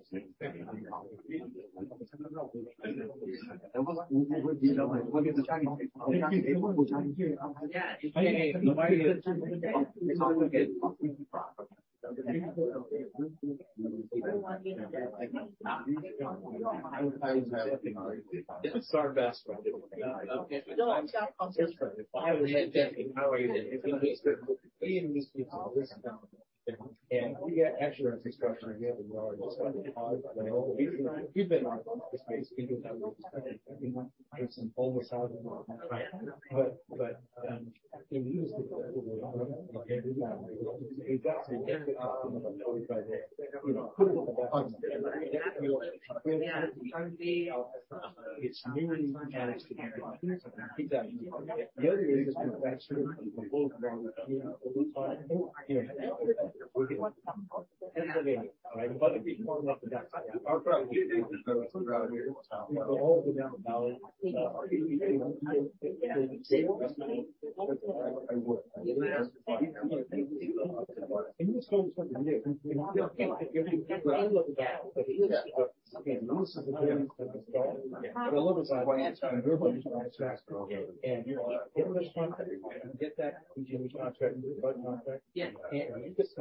This is our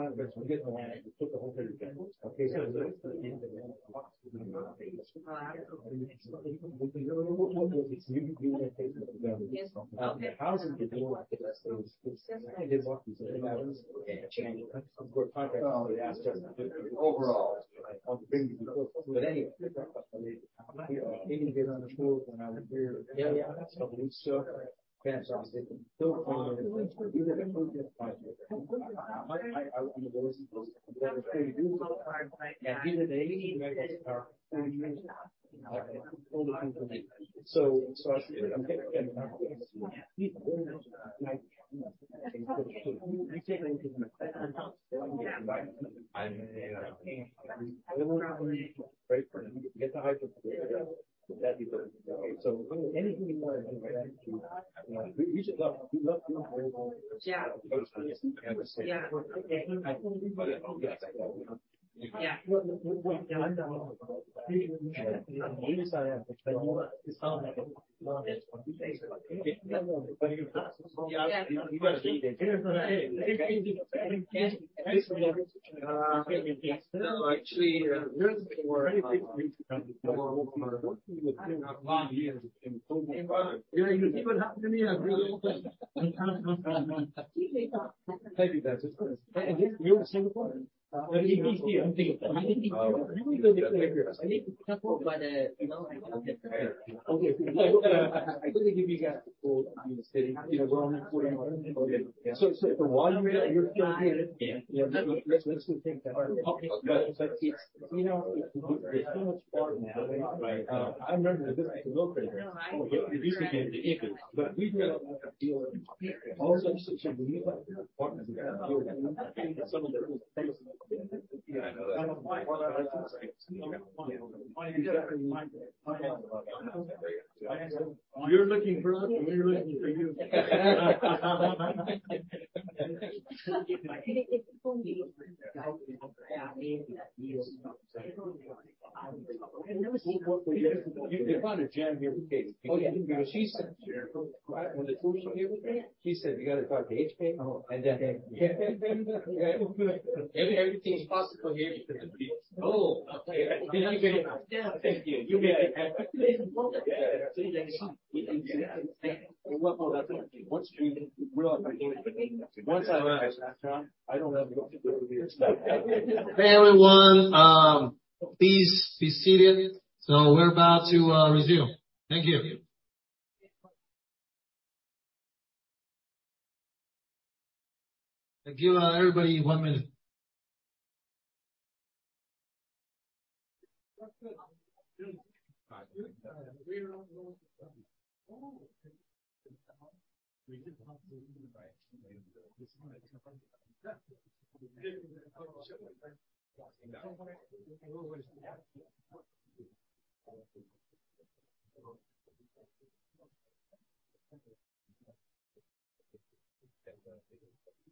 best one. You're looking for us, we're looking for you. You found a gem here with Katie. Oh, yeah. She said, "When they told me you were here," she said, "You got to talk to HP. Everything is possible here because of you. Oh, okay. Thank you. Once I arrive, John, I don't have to go through here. Hey, everyone, please be seated. We're about to resume. Thank you. I'll give everybody 1 minute. Yeah, let's start.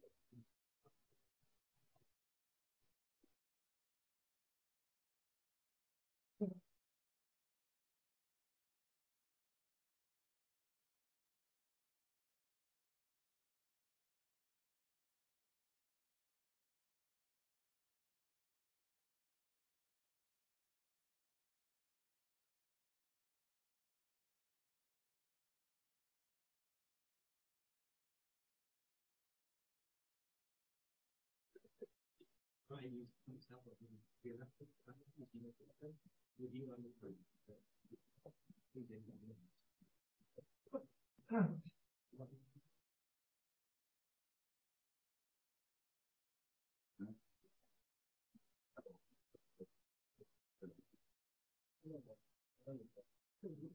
Good afternoon. Good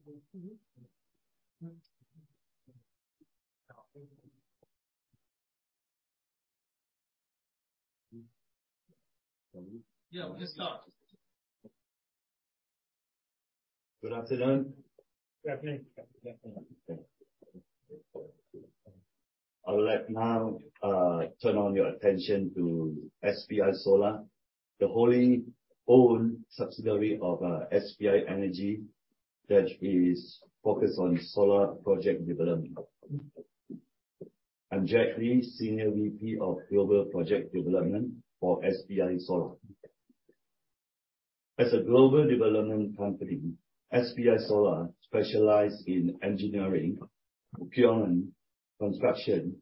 afternoon. I would like now, turn on your attention to SPI Solar, the wholly-owned subsidiary of SPI Energy that is focused on solar project development. I'm Jack Lee, Senior VP of Global Project Development for SPI Solar. As a global development company, SPI Solar specialize in engineering, procurement, construction,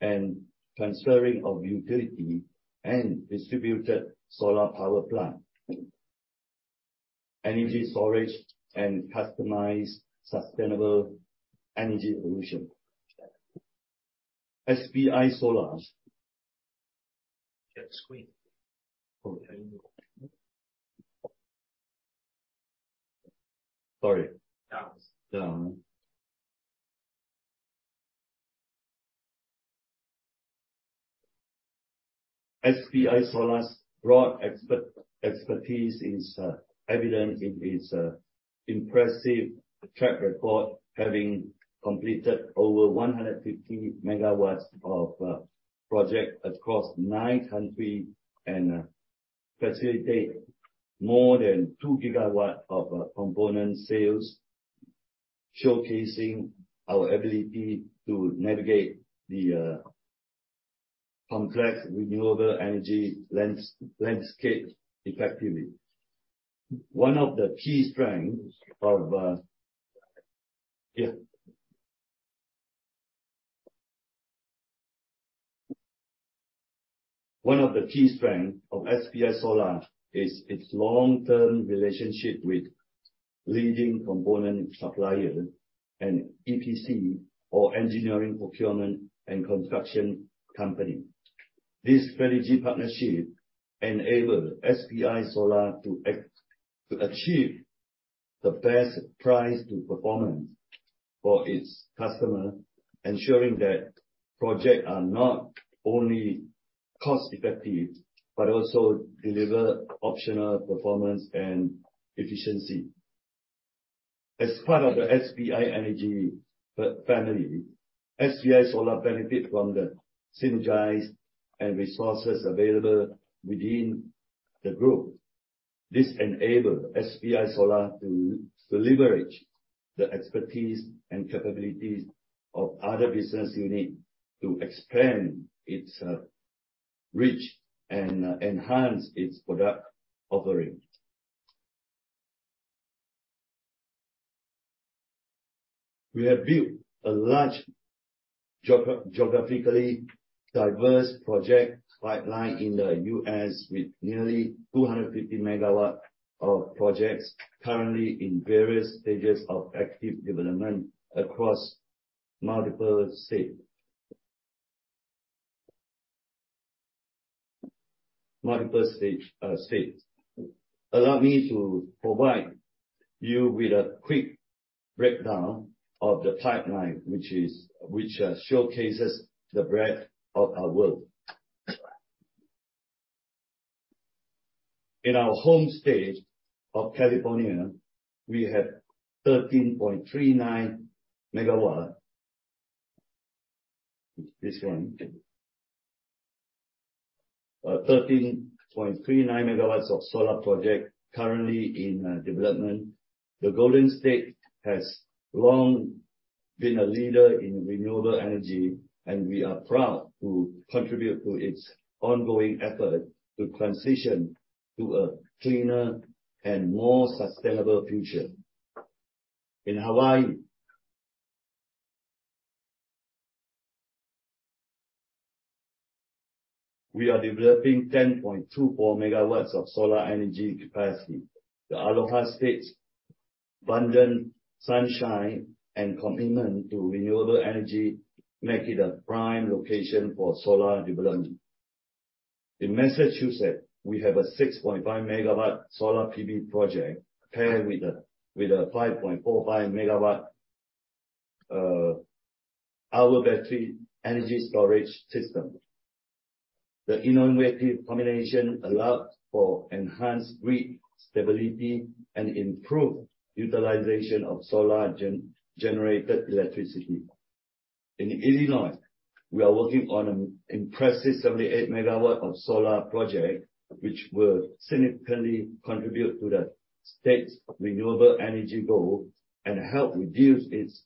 and transferring of utility and distributed solar power plant, energy storage and customized sustainable energy solution. SPI Solar Share the screen. Okay. Sorry. Down. Down. SPI Solar's broad expertise is evident in its impressive track record, having completed over 150 MW of project across nine country, and facilitate more than 2 GW of component sales, showcasing our ability to navigate the complex renewable energy landscape effectively. One of the key strengths of SPI Solar is its long-term relationship with leading component suppliers and EPC or engineering, procurement and construction company. This strategic partnership enable SPI Solar to achieve the best price to performance for its customer, ensuring that project are not only cost-effective, but also deliver optional performance and efficiency. As part of the SPI Energy family, SPI Solar benefit from the synergies and resources available within the group. This enable SPI Solar to leverage the expertise and capabilities of other business unit to expand its reach and enhance its product offering. We have built a large geographically diverse project pipeline in the U.S. with nearly 250 MW of projects currently in various stages of active development across multiple states. Allow me to provide you with a quick breakdown of the pipeline, which showcases the breadth of our work. In our home state of California, we have 13.39 MW. This one. 13.39 MW of solar project currently in development. The Golden State has long been a leader in renewable energy. We are proud to contribute to its ongoing effort to transition to a cleaner and more sustainable future. In Hawaii, we are developing 10.24 MW of solar energy capacity. The Aloha State's abundant sunshine and commitment to renewable energy make it a prime location for solar development. In Massachusetts, we have a 6.5 MW solar PV project paired with a 5.45 MWh battery energy storage system. The innovative combination allows for enhanced grid stability and improved utilization of solar generated electricity. In Illinois, we are working on an impressive 78 MW of solar project which will significantly contribute to the state's renewable energy goal and help reduce its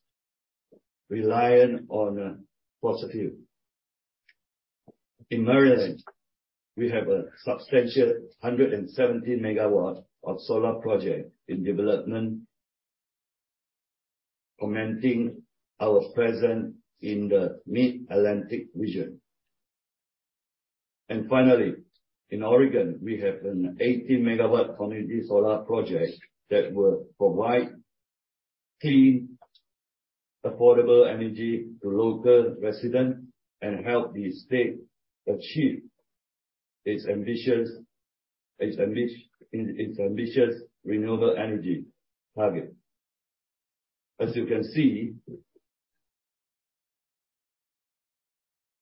reliance on fossil fuel. In Maryland, we have a substantial 170 MW of solar project in development, cementing our presence in the Mid-Atlantic region. Finally, in Oregon, we have an 80 MW community solar project that will provide clean, affordable energy to local residents and help the state achieve its ambitious, its ambitious renewable energy target. As you can see,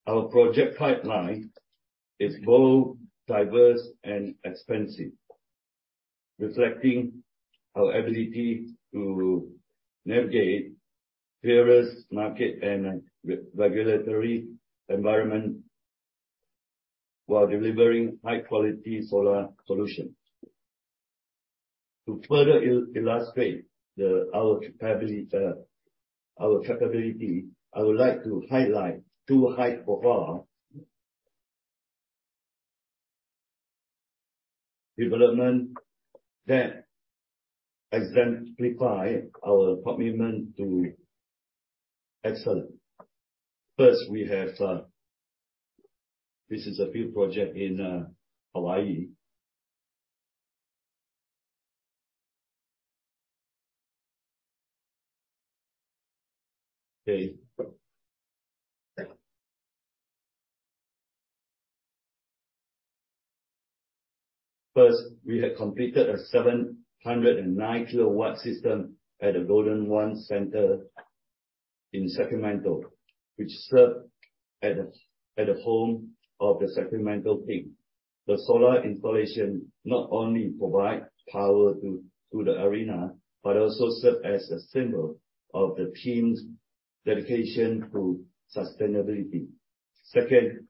our project pipeline is bold, diverse, and expansive, reflecting our ability to navigate various market and regulatory environment while delivering high quality solar solutions. To further illustrate our capability, our trackability, I would like to highlight two high-profile development that exemplify our commitment to excellence. First, we have, this is a field project in Hawaii. Okay. First, we have completed a 709 kW system at the Golden 1 Center in Sacramento, which serve as a home of the Sacramento Kings. The solar installation not only provide power to the arena, but also serve as a symbol of the team's dedication to sustainability.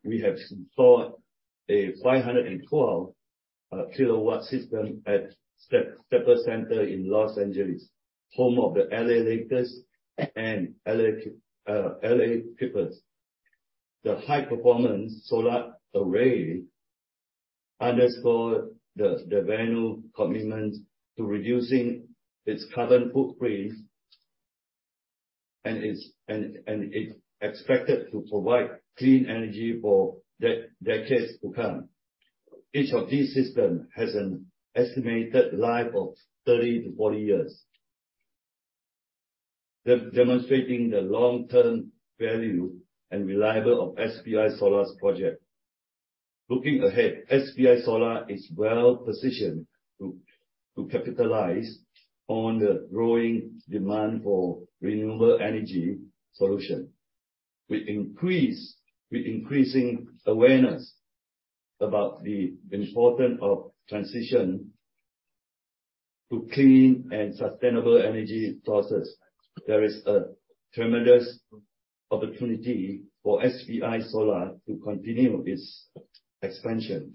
We have installed a 512 kW system at Staples Center in Los Angeles, home of the LA Lakers and LA Clippers. The high performance solar array underscore the venue commitment to reducing its carbon footprint and it's expected to provide clean energy for decades to come. Each of these system has an estimated life of 30 to 40 years. Demonstrating the long-term value and reliable of SPI Solar's project. Looking ahead, SPI Solar is well-positioned to capitalize on the growing demand for renewable energy solution. With increasing awareness about the importance of transition to clean and sustainable energy sources, there is a tremendous opportunity for SPI Solar to continue its expansion.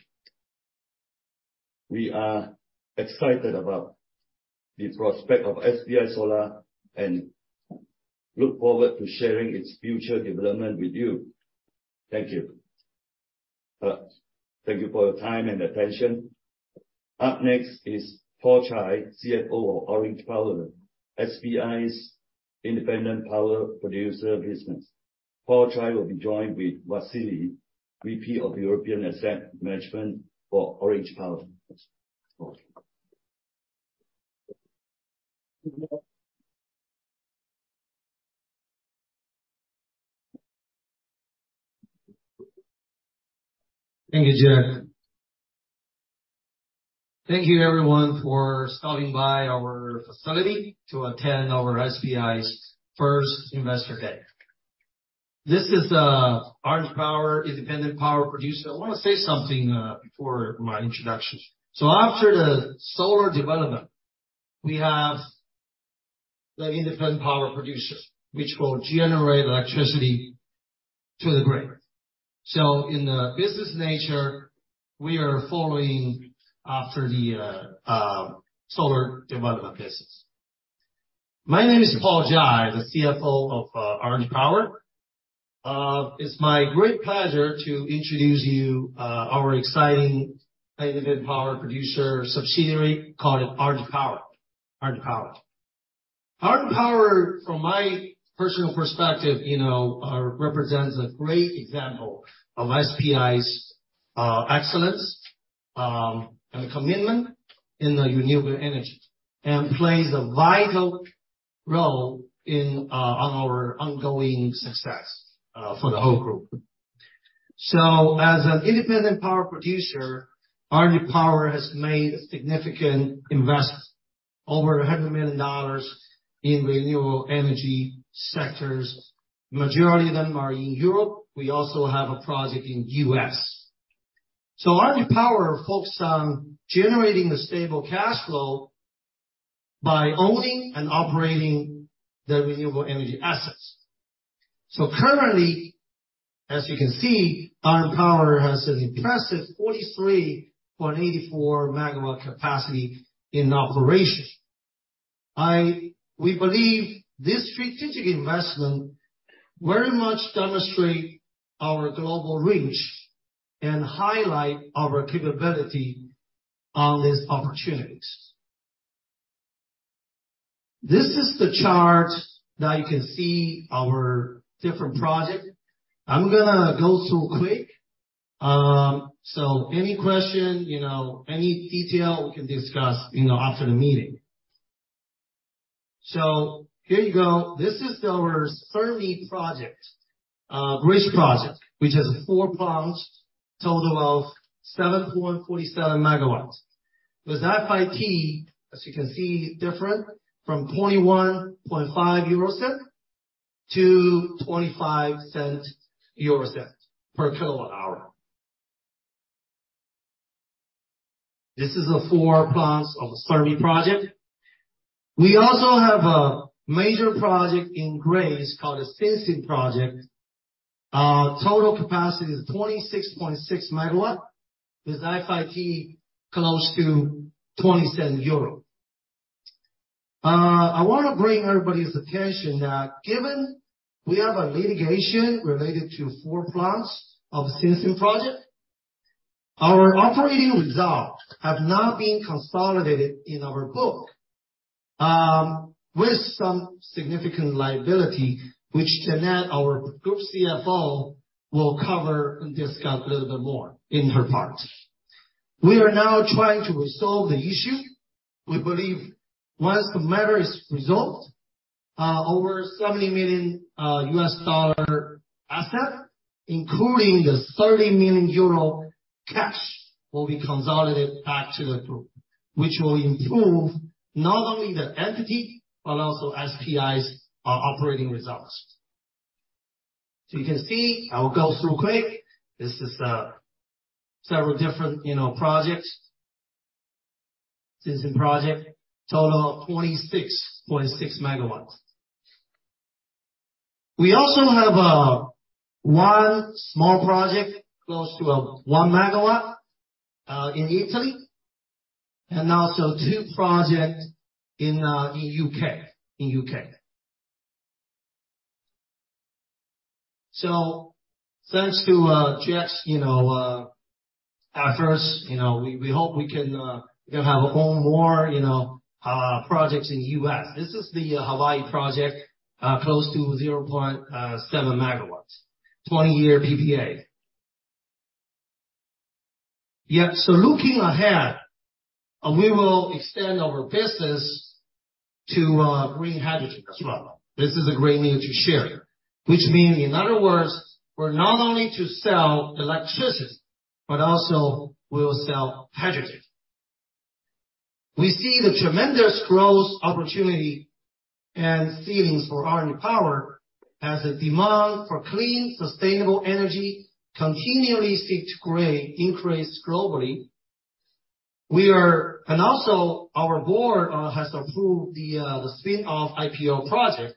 We are excited about the prospect of SPI Solar and look forward to sharing its future development with you. Thank you. Thank you for your time and attention. Up next is Paul Zhai, CFO of Orange Power, SPI's independent power producer business. Paul Zhai will be joined with Vasily, VP of European Assets Management for Orange Power. Thank you, Jeff. Thank you everyone for stopping by our facility to attend our SPI's first Investor Day. This is Orange Power independent power producer. I wanna say something before my introduction. After the solar development, we have the independent power producer, which will generate electricity to the grid. In the business nature, we are following after the solar development business. My name is Paul Zhai, the CFO of Orange Power. It's my great pleasure to introduce you our exciting independent power producer subsidiary called Orange Power. Orange Power, from my personal perspective, you know, represents a great example of SPI's excellence and commitment in the renewable energy, and plays a vital role in on our ongoing success for the whole group. As an independent power producer, Orange Power has made significant investments. Over $100 million in renewable energy sectors. Majority of them are in Europe. We also have a project in U.S. RNPower focus on generating a stable cash flow by owning and operating the renewable energy assets. Currently, as you can see, RNPower has an impressive 43.84 MW capacity in operation. We believe this strategic investment very much demonstrate our global reach and highlight our capability on these opportunities. This is the chart that you can see our different project. I'm gonna go through quick. Any question, you know, any detail, we can discuss, you know, after the meeting. Here you go. This is our Cervi project, bridge project, which has four plants, total of 7.47 MW, with FIT, as you can see, different from 21.5 euro cents to 25 euro cents per kW hour. This is the four plants of Cervi project. We also have a major project in Greece called the SINSIN project. Total capacity is 26.6 MW, with FIT close to 20 euros cents. I wanna bring everybody's attention that given we have a litigation related to 4 plants of SINSIN project, our operating results have not been consolidated in our book, with some significant liability, which Jeanette, our Group CFO, will cover and discuss a little bit more in her part. We are now trying to resolve the issue. We believe once the matter is resolved, over $70 million asset, including the 30 million euro cash, will be consolidated back to the group, which will improve not only the entity but also SPI's operating results. You can see, I'll go through quick. This is several different, you know, projects. SINSIN project, total of 26.6 MW. We also have 1 small project close to 1 MW in Italy, and also two project in UK. Thanks to Jeff's, you know, efforts, you know, we hope we can, you know, have a own more, you know, projects in US. This is the Hawaii project, close to 0.7 MW, 20 years PPA. Yeah. Looking ahead, we will extend our business to green hydrogen as well. This is a great news to share, which mean, in other words, we're not only to sell electricity, but also we'll sell hydrogen. We see the tremendous growth opportunity and ceilings for RNPower as the demand for clean, sustainable energy continually seek to grow, increase globally. Also our board has approved the spin-off IPO project,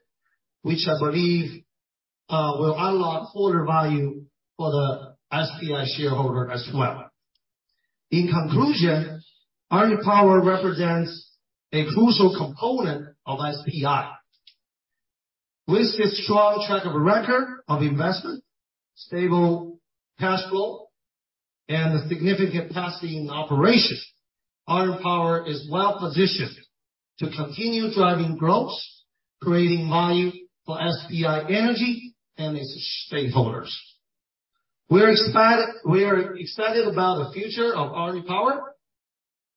which I believe will unlock holder value for the SPI shareholder as well. In conclusion, RNPower represents a crucial component of SPI. With its strong track of record of investment, stable cash flow, and a significant capacity in operation, RNPower is well-positioned to continue driving growth, creating value for SPI Energy and its stakeholders. We are excited about the future of RNPower.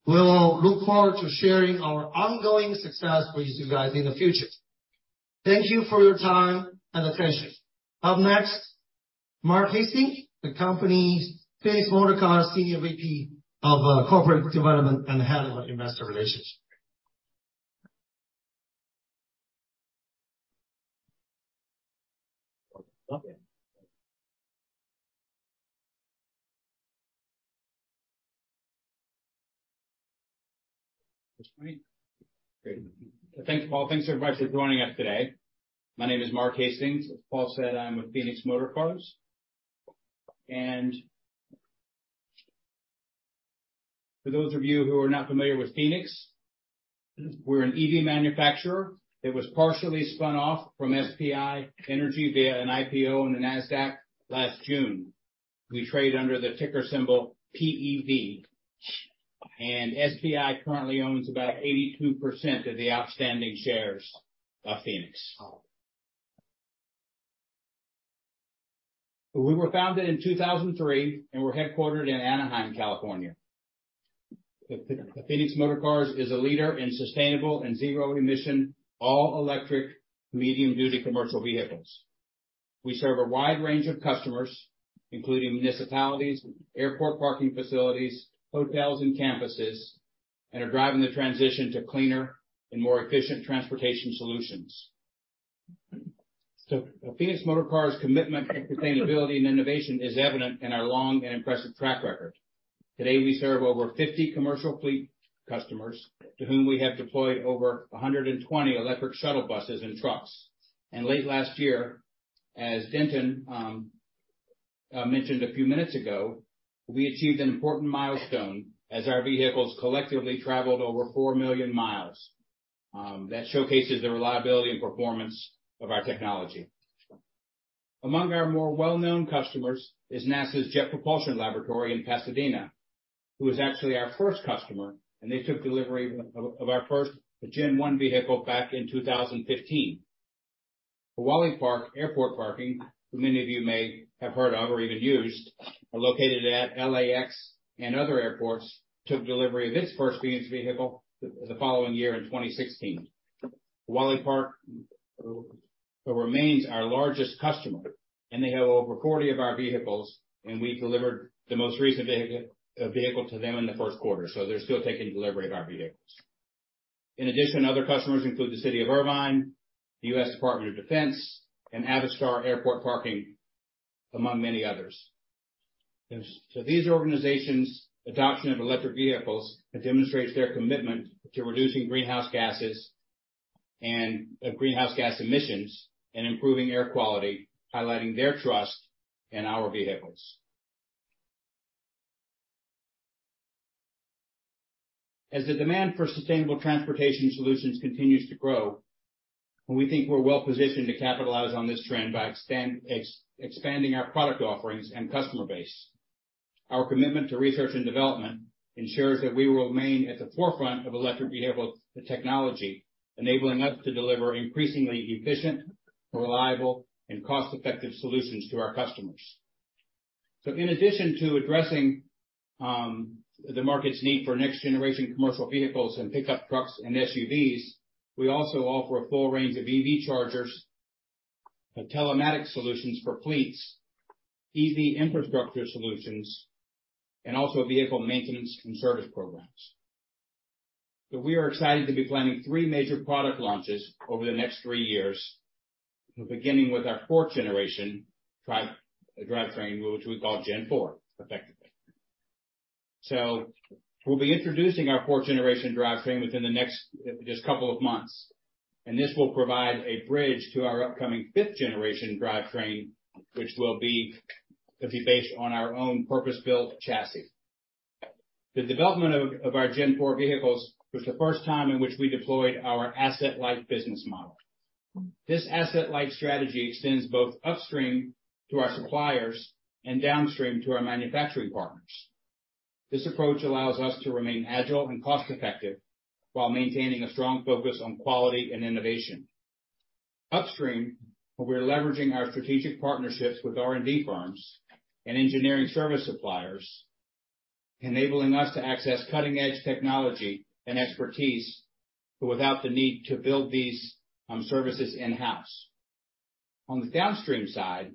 We'll look forward to sharing our ongoing success with you guys in the future. Thank you for your time and attention. Up next, Mark Hastings, the company's Phoenix Motorcars Senior VP of Corporate Development and Head of Investor Relations. Okay. Great. Thanks, Paul. Thanks, everybody, for joining us today. My name is Mark Hastings. As Paul said, I'm with Phoenix Motorcars. For those of you who are not familiar with Phoenix, we're an EV manufacturer that was partially spun off from SPI Energy via an IPO in the Nasdaq last June. We trade under the ticker symbol PEV, SPI currently owns about 82% of the outstanding shares of Phoenix. We were founded in 2003, we're headquartered in Anaheim, California. Phoenix Motorcars is a leader in sustainable and zero-emission, all-electric medium-duty commercial vehicles. We serve a wide range of customers, including municipalities, airport parking facilities, hotels, and campuses, are driving the transition to cleaner and more efficient transportation solutions. Phoenix Motorcars' commitment to sustainability and innovation is evident in our long and impressive track record. Today, we serve over 50 commercial fleet customers to whom we have deployed over 120 electric shuttle buses and trucks. Late last year, as Denton mentioned a few minutes ago, we achieved an important milestone as our vehicles collectively traveled over four million miles. That showcases the reliability and performance of our technology. Among our more well-known customers is NASA's Jet Propulsion Laboratory in Pasadena, who was actually our first customer, and they took delivery of our first Gen 1 vehicle back in 2015. WallyPark Airport Parking, who many of you may have heard of or even used, are located at LAX and other airports, took delivery of its first Phoenix vehicle the following year in 2016. WallyPark Airport Parking remains our largest customer, and they have over 40 of our vehicles, and we delivered the most recent vehicle to them in the first quarter, so they're still taking delivery of our vehicles. In addition, other customers include the City of Irvine, the U.S. Department of Defense, and Avistar Airport Parking, among many others. These organizations' adoption of electric vehicles demonstrates their commitment to reducing greenhouse gases and greenhouse gas emissions and improving air quality, highlighting their trust in our vehicles. As the demand for sustainable transportation solutions continues to grow, we think we're well-positioned to capitalize on this trend by expanding our product offerings and customer base. Our commitment to research and development ensures that we will remain at the forefront of electric vehicle technology, enabling us to deliver increasingly efficient, reliable, and cost-effective solutions to our customers. In addition to addressing the market's need for next-generation commercial vehicles and pickup trucks and SUVs, we also offer a full range of EV chargers, telematics solutions for fleets, EV infrastructure solutions, and also vehicle maintenance and service programs. We are excited to be planning 3 major product launches over the next three years, beginning with our fourth generation drivetrain, which we call Gen 4, effectively. We'll be introducing our fourth generation drivetrain within the next just couple of months, and this will provide a bridge to our upcoming fifth generation drivetrain, which will be based on our own purpose-built chassis. The development of our Gen 4 vehicles was the first time in which we deployed our asset-light business model. This asset-light strategy extends both upstream to our suppliers and downstream to our manufacturing partners. This approach allows us to remain agile and cost-effective while maintaining a strong focus on quality and innovation. Upstream, we're leveraging our strategic partnerships with R&D firms and engineering service suppliers, enabling us to access cutting-edge technology and expertise without the need to build these services in-house. On the downstream side,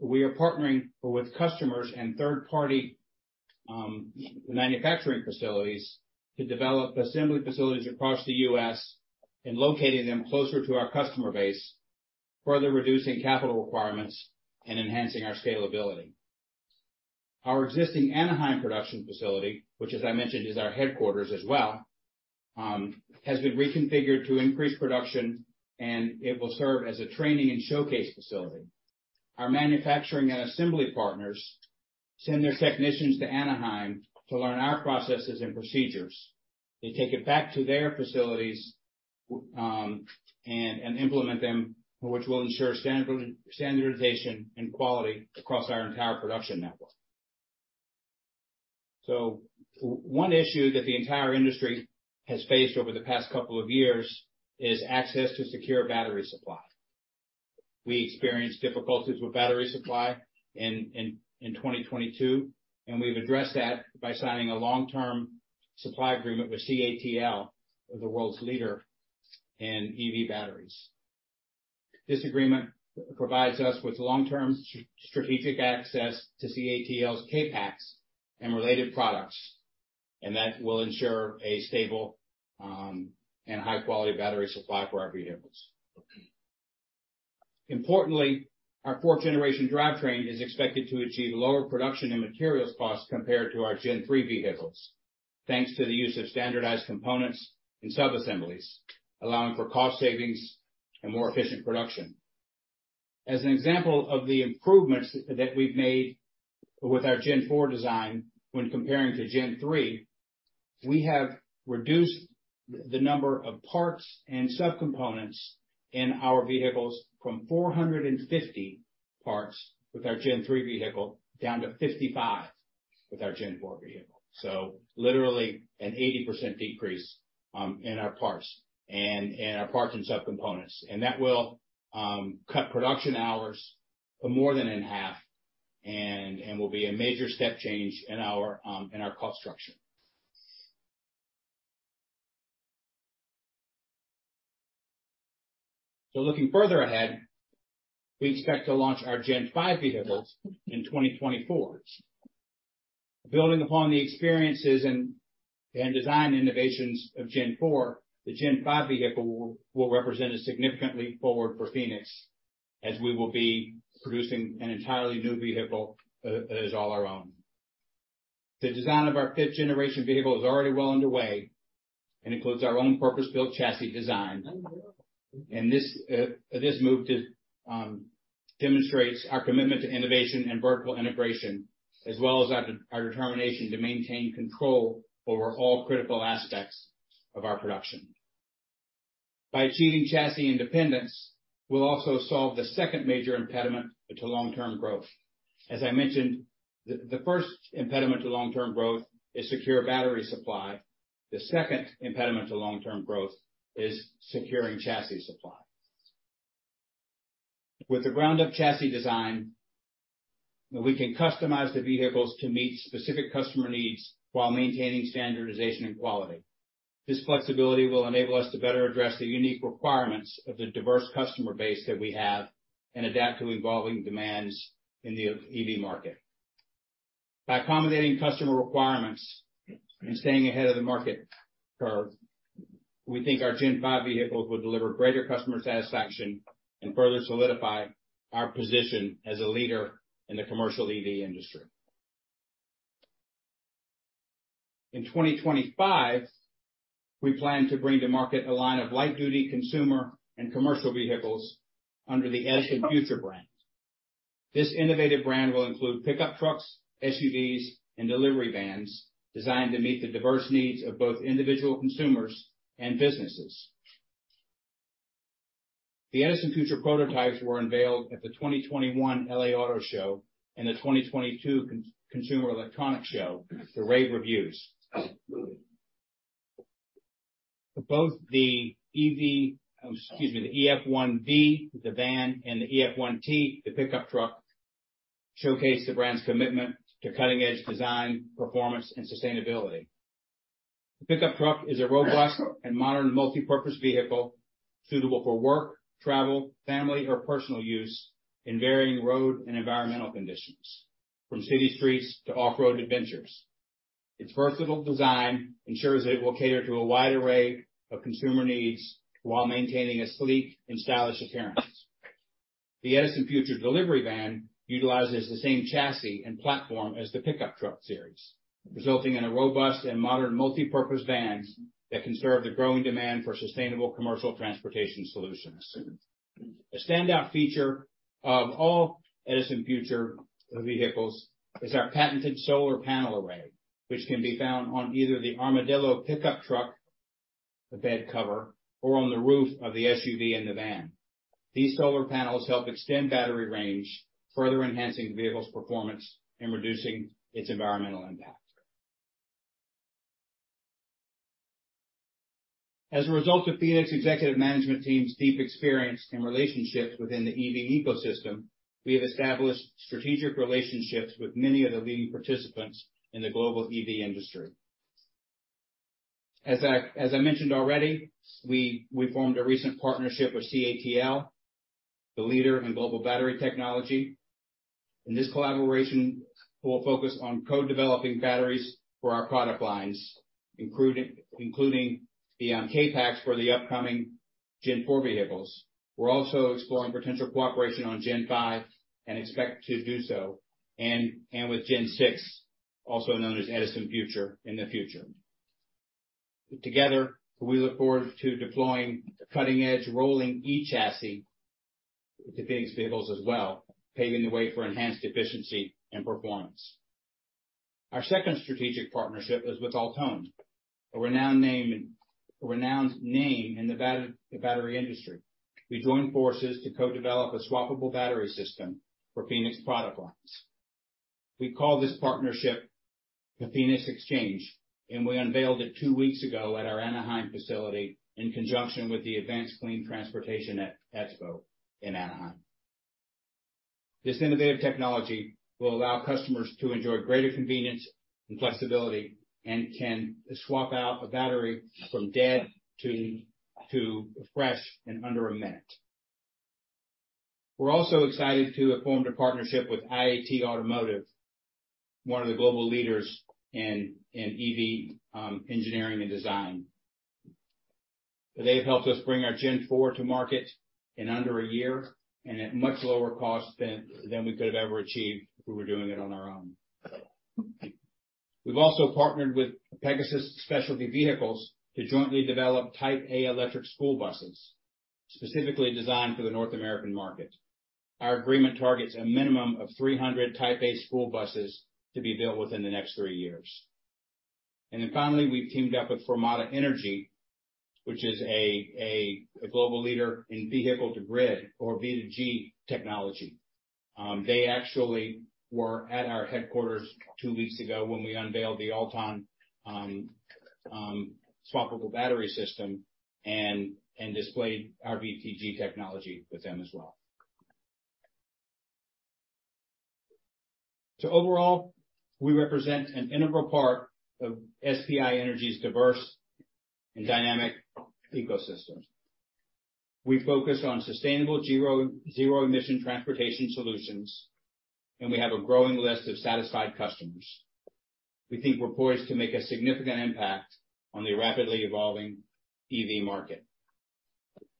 we are partnering with customers and third-party manufacturing facilities to develop assembly facilities across the US and locating them closer to our customer base, further reducing capital requirements and enhancing our scalability. Our existing Anaheim production facility, which as I mentioned, is our headquarters as well, has been reconfigured to increase production, and it will serve as a training and showcase facility. Our manufacturing and assembly partners send their technicians to Anaheim to learn our processes and procedures. They take it back to their facilities, and implement them, which will ensure standardization and quality across our entire production network. One issue that the entire industry has faced over the past couple of years is access to secure battery supply. We experienced difficulties with battery supply in 2022, and we've addressed that by signing a long-term supply agreement with CATL, the world's leader in EV batteries. This agreement provides us with long-term strategic access to CATL's CapEx and related products, and that will ensure a stable and high-quality battery supply for our vehicles. Importantly, our Gen 4 drivetrain is expected to achieve lower production and materials costs compared to our Gen 3 vehicles, thanks to the use of standardized components and subassemblies, allowing for cost savings and more efficient production. As an example of the improvements that we've made with our Gen 4 design when comparing to Gen 3, we have reduced the number of parts and subcomponents in our vehicles from 450 parts with our Gen 3 vehicle down to 55 with our Gen 4 vehicle. Literally an 80% decrease in our parts and subcomponents. That will cut production hours more than in half and will be a major step change in our cost structure. Looking further ahead, we expect to launch our Gen 5 vehicles in 2024. Building upon the experiences and design innovations of Gen 4, the Gen 5 vehicle will represent a significant leap forward for Phoenix Motorcars, as we will be producing an entirely new vehicle that is all our own. The design of our fifth-generation vehicle is already well underway and includes our own purpose-built chassis design. This move demonstrates our commitment to innovation and vertical integration, as well as our determination to maintain control over all critical aspects of our production. By achieving chassis independence, we'll also solve the second major impediment to long-term growth. As I mentioned, the first impediment to long-term growth is secure battery supply. The second impediment to long-term growth is securing chassis supply. With the ground up chassis design, we can customize the vehicles to meet specific customer needs while maintaining standardization and quality. This flexibility will enable us to better address the unique requirements of the diverse customer base that we have and adapt to evolving demands in the EV market. By accommodating customer requirements and staying ahead of the market curve, we think our Gen 5 vehicles will deliver greater customer satisfaction and further solidify our position as a leader in the commercial EV industry. In 2025, we plan to bring to market a line of light duty consumer and commercial vehicles under the EdisonFuture brand. This innovative brand will include pickup trucks, SUVs, and delivery vans designed to meet the diverse needs of both individual consumers and businesses. The EdisonFuture prototypes were unveiled at the 2021 LA Auto Show and the 2022 Consumer Electronics Show to rave reviews. Excuse me, the EF1-V, the van, and the EF1-T, the pickup truck, showcase the brand's commitment to cutting edge design, performance, and sustainability. The pickup truck is a robust and modern multi-purpose vehicle suitable for work, travel, family, or personal use in varying road and environmental conditions, from city streets to off-road adventures. Its versatile design ensures that it will cater to a wide array of consumer needs while maintaining a sleek and stylish appearance. The EdisonFuture delivery van utilizes the same chassis and platform as the pickup truck series, resulting in a robust and modern multi-purpose vans that can serve the growing demand for sustainable commercial transportation solutions. A standout feature of all EdisonFuture vehicles is our patented solar panel array, which can be found on either the Armadillo pickup truck, the bed cover, or on the roof of the SUV and the van. These solar panels help extend battery range, further enhancing the vehicle's performance and reducing its environmental impact. As a result of Phoenix executive management team's deep experience and relationships within the EV ecosystem, we have established strategic relationships with many of the leading participants in the global EV industry. As I mentioned already, we formed a recent partnership with CATL, the leader in global battery technology. This collaboration will focus on co-developing batteries for our product lines, including the CapEx for the upcoming Gen 4 vehicles. We're also exploring potential cooperation on Gen 5 and expect to do so and with Gen 6, also known as EdisonFuture, in the future. Together, we look forward to deploying cutting-edge rolling e-chassis with the Phoenix vehicles as well, paving the way for enhanced efficiency and performance. Our second strategic partnership is with Altair, a renowned name in the battery industry. We joined forces to co-develop a swappable battery system for Phoenix product lines. We call this partnership the Phoenix Exchange. We unveiled it 2 weeks ago at our Anaheim facility in conjunction with the Advanced Clean Transportation Expo in Anaheim. This innovative technology will allow customers to enjoy greater convenience and flexibility, and can swap out a battery from dead to fresh in under a minute. We're also excited to have formed a partnership with IAT Automotive, one of the global leaders in EV engineering and design. They've helped us bring our Gen 4 to market in under a year and at much lower cost than we could have ever achieved if we were doing it on our own. We've also partnered with Pegasus Specialty Vehicles to jointly develop Type A electric school buses, specifically designed for the North American market. Our agreement targets a minimum of 300 Type A school buses to be built within the next three years. Finally, we've teamed up with Fermata Energy, which is a global leader in vehicle-to-grid or V2G technology. They actually were at our headquarters two weeks ago when we unveiled the Altair swappable battery system and displayed our V2G technology with them as well. So overall, we represent an integral part of SPI Energy's diverse and dynamic ecosystem. We focus on sustainable zero-emission transportation solutions, and we have a growing list of satisfied customers. We think we're poised to make a significant impact on the rapidly evolving EV market.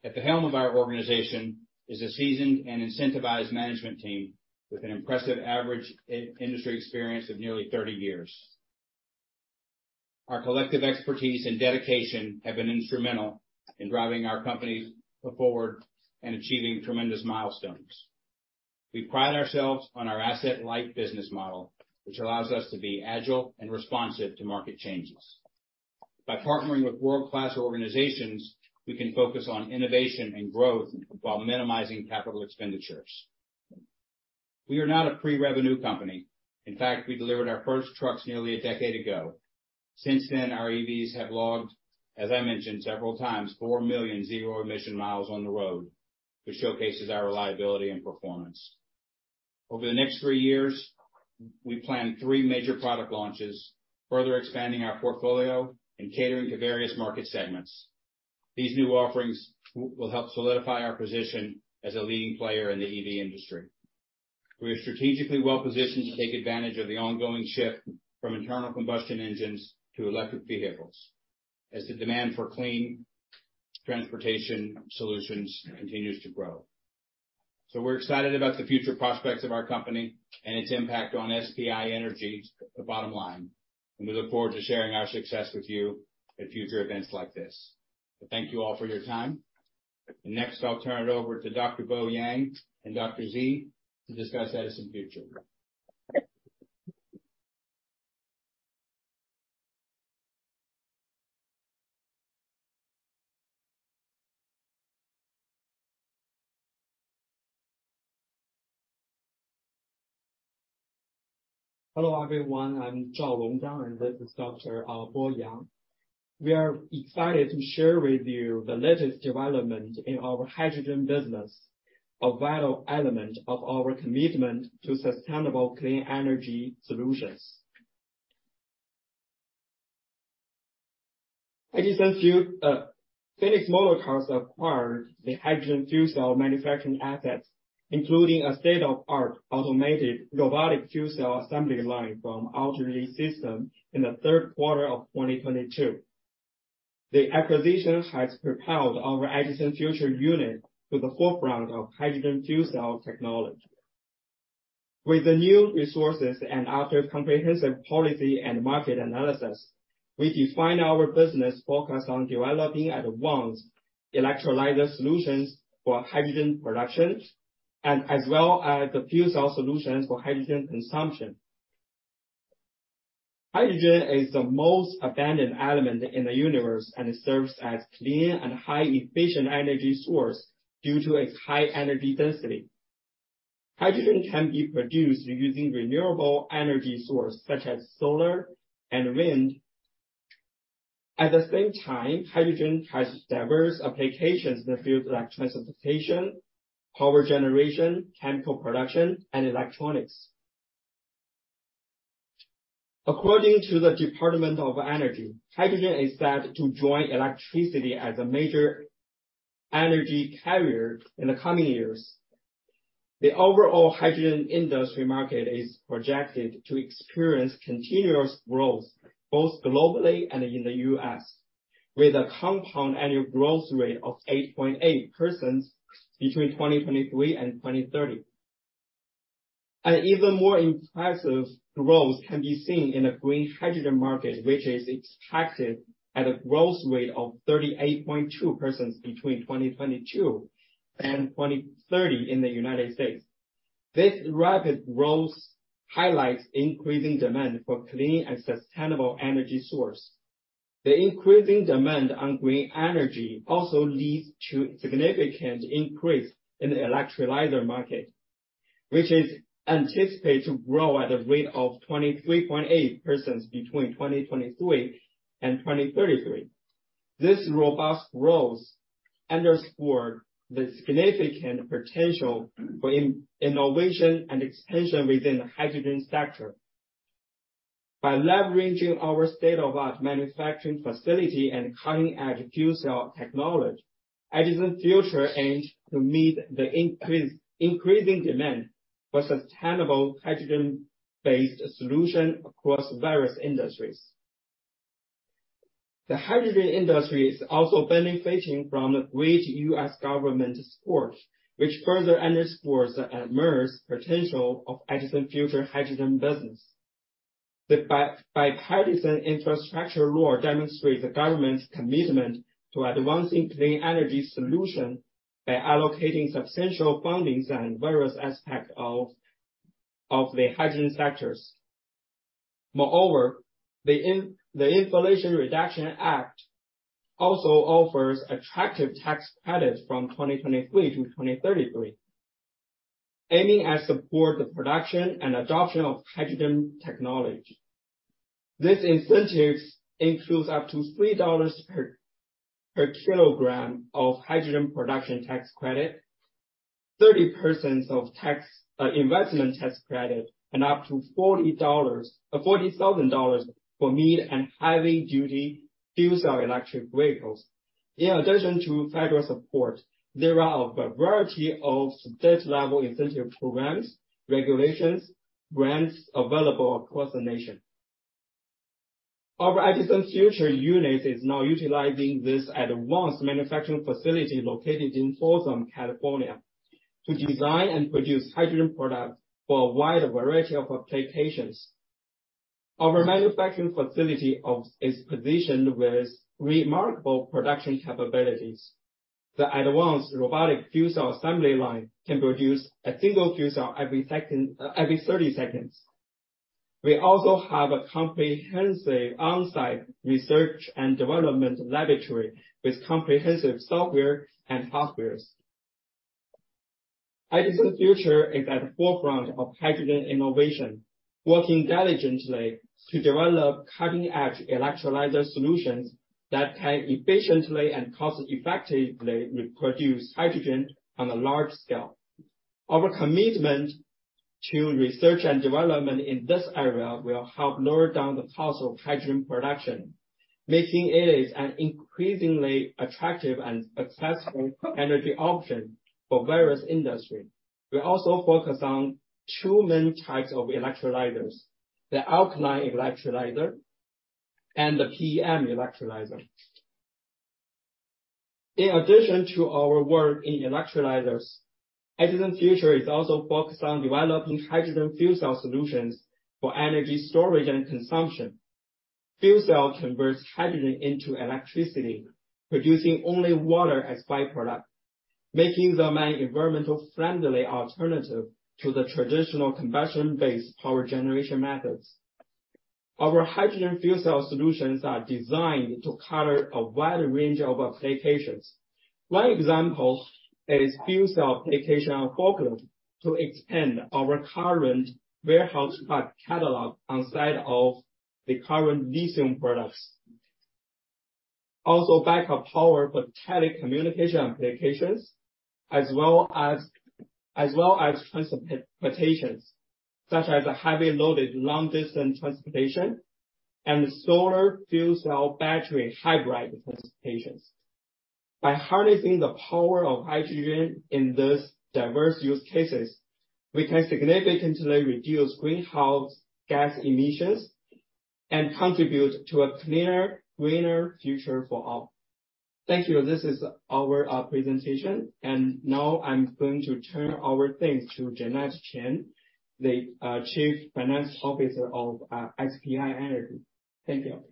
At the helm of our organization is a seasoned and incentivized management team with an impressive average in-industry experience of nearly 30 years. Our collective expertise and dedication have been instrumental in driving our companies forward and achieving tremendous milestones. We pride ourselves on our asset-light business model, which allows us to be agile and responsive to market changes. By partnering with world-class organizations, we can focus on innovation and growth while minimizing capital expenditures. We are not a pre-revenue company. In fact, we delivered our first trucks nearly a decade ago. Since then, our EVs have logged, as I mentioned several times, four million zero-emission miles on the road, which showcases our reliability and performance. Over the next three years, we plan three major product launches, further expanding our portfolio and catering to various market segments. These new offerings will help solidify our position as a leading player in the EV industry. We are strategically well-positioned to take advantage of the ongoing shift from internal combustion engines to electric vehicles as the demand for clean transportation solutions continues to grow. We're excited about the future prospects of our company and its impact on SPI Energy's bottom line, and we look forward to sharing our success with you at future events like this. Thank you all for your time. Next, I'll turn it over to Dr. Bo Yang and Dr. Z to discuss EdisonFuture. Hello, everyone. I'm Zhao Minghua, and this is Dr. Bo Yang. We are excited to share with you the latest development in our hydrogen business, a vital element of our commitment to sustainable clean energy solutions. As you said few, Phoenix Motorcars acquired the hydrogen fuel cell manufacturing assets, including a state-of-art automated robotic fuel cell assembly line from Altergy Systems in the third quarter of 2022. The acquisition has propelled our EdisonFuture unit to the forefront of hydrogen fuel cell technology. With the new resources and after comprehensive policy and market analysis, we define our business focused on developing at once electrolyzer solutions for hydrogen production as well as the fuel cell solutions for hydrogen consumption. Hydrogen is the most abundant element in the universe, and it serves as clean and high efficient energy source due to its high energy density. Hydrogen can be produced using renewable energy source, such as solar and wind. At the same time, hydrogen has diverse applications in the fields like transportation, power generation, chemical production, and electronics. According to the Department of Energy, hydrogen is set to join electricity as a major energy carrier in the coming years. The overall hydrogen industry market is projected to experience continuous growth both globally and in the U.S., with a compound annual growth rate of 8.8% between 2023 and 2030. An even more impressive growth can be seen in the green hydrogen market, which is expected at a growth rate of 38.2% between 2022 and 2030 in the United States. This rapid growth highlights increasing demand for clean and sustainable energy source. The increasing demand on green energy also leads to significant increase in the electrolyzer market, which is anticipated to grow at a rate of 23.8% between 2023 and 2033. This robust growth underscore the significant potential for innovation and expansion within the hydrogen sector. By leveraging our state-of-art manufacturing facility and cutting-edge fuel cell technology, EdisonFuture aims to meet the increasing demand for sustainable hydrogen-based solution across various industries. The hydrogen industry is also benefiting from the great U.S. government support, which further underscores the enormous potential of EdisonFuture hydrogen business. The Bipartisan Infrastructure Law demonstrates the government's commitment to advancing clean energy solution by allocating substantial fundings on various aspects of the hydrogen sectors. The Inflation Reduction Act also offers attractive tax credits from 2023 to 2033, aiming at support the production and adoption of hydrogen technology. These incentives includes up to $3 per kilogram of hydrogen production tax credit, 30% of tax investment tax credit, and up to $40,000 for mid and heavy-duty fuel cell electric vehicles. In addition to federal support, there are a variety of state level incentive programs, regulations, grants available across the nation. Our EdisonFuture unit is now utilizing this advanced manufacturing facility located in Folsom, California, to design and produce hydrogen products for a wide variety of applications. Our manufacturing facility is positioned with remarkable production capabilities. The advanced robotic fuel cell assembly line can produce a single fuel cell every second, every 30 seconds. We also have a comprehensive on-site research and development laboratory with comprehensive software and hardwares. EdisonFuture is at the forefront of hydrogen innovation, working diligently to develop cutting-edge electrolyzer solutions that can efficiently and cost-effectively produce hydrogen on a large scale. Our commitment to research and development in this area will help lower down the cost of hydrogen production, making it as an increasingly attractive and accessible energy option for various industry. We also focus on two main types of electrolyzers, the alkaline electrolyzer and the PEM electrolyzer. In addition to our work in electrolyzers, EdisonFuture is also focused on developing hydrogen fuel cell solutions for energy storage and consumption. Fuel cell converts hydrogen into electricity, producing only water as by-product, making them an environmental friendly alternative to the traditional combustion-based power generation methods. Our hydrogen fuel cell solutions are designed to cater a wide range of applications. One example is fuel cell application on forklift to extend our current warehouse truck catalog outside of the current lithium products. Backup power for telecommunication applications, as well as transportations, such as heavy loaded long distance transportation and solar fuel cell battery hybrid transportations. By harnessing the power of hydrogen in these diverse use cases, we can significantly reduce greenhouse gas emissions and contribute to a clearer, greener future for all. Thank you. This is our presentation. Now I'm going to turn over things to Janet Chen, the Chief Finance Officer of SPI Energy. Thank you.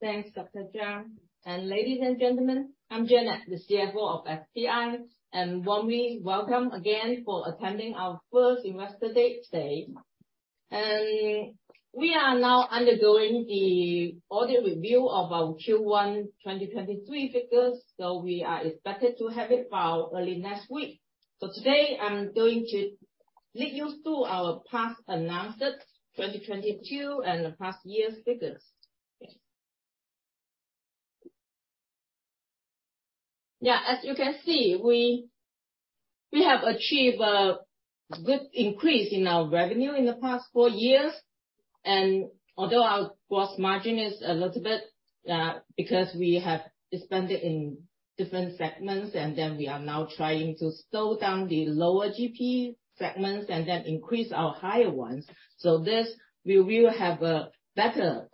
Thanks, Dr. Jiang. Ladies and gentlemen, I'm Janet, the CFO of SPI. Warm welcome again for attending our first investor date today. We are now undergoing the audit review of our Q1 2023 figures, so we are expected to have it by early next week. Today, I'm going to lead you through our past announced 2022, and the past year's figures. Yeah. Yeah, as you can see, we have achieved a good increase in our revenue in the past four years. Although our gross margin is a little bit because we have expanded in different segments, and then we are now trying to slow down the lower GP segments, and then increase our higher ones. This, we will have a better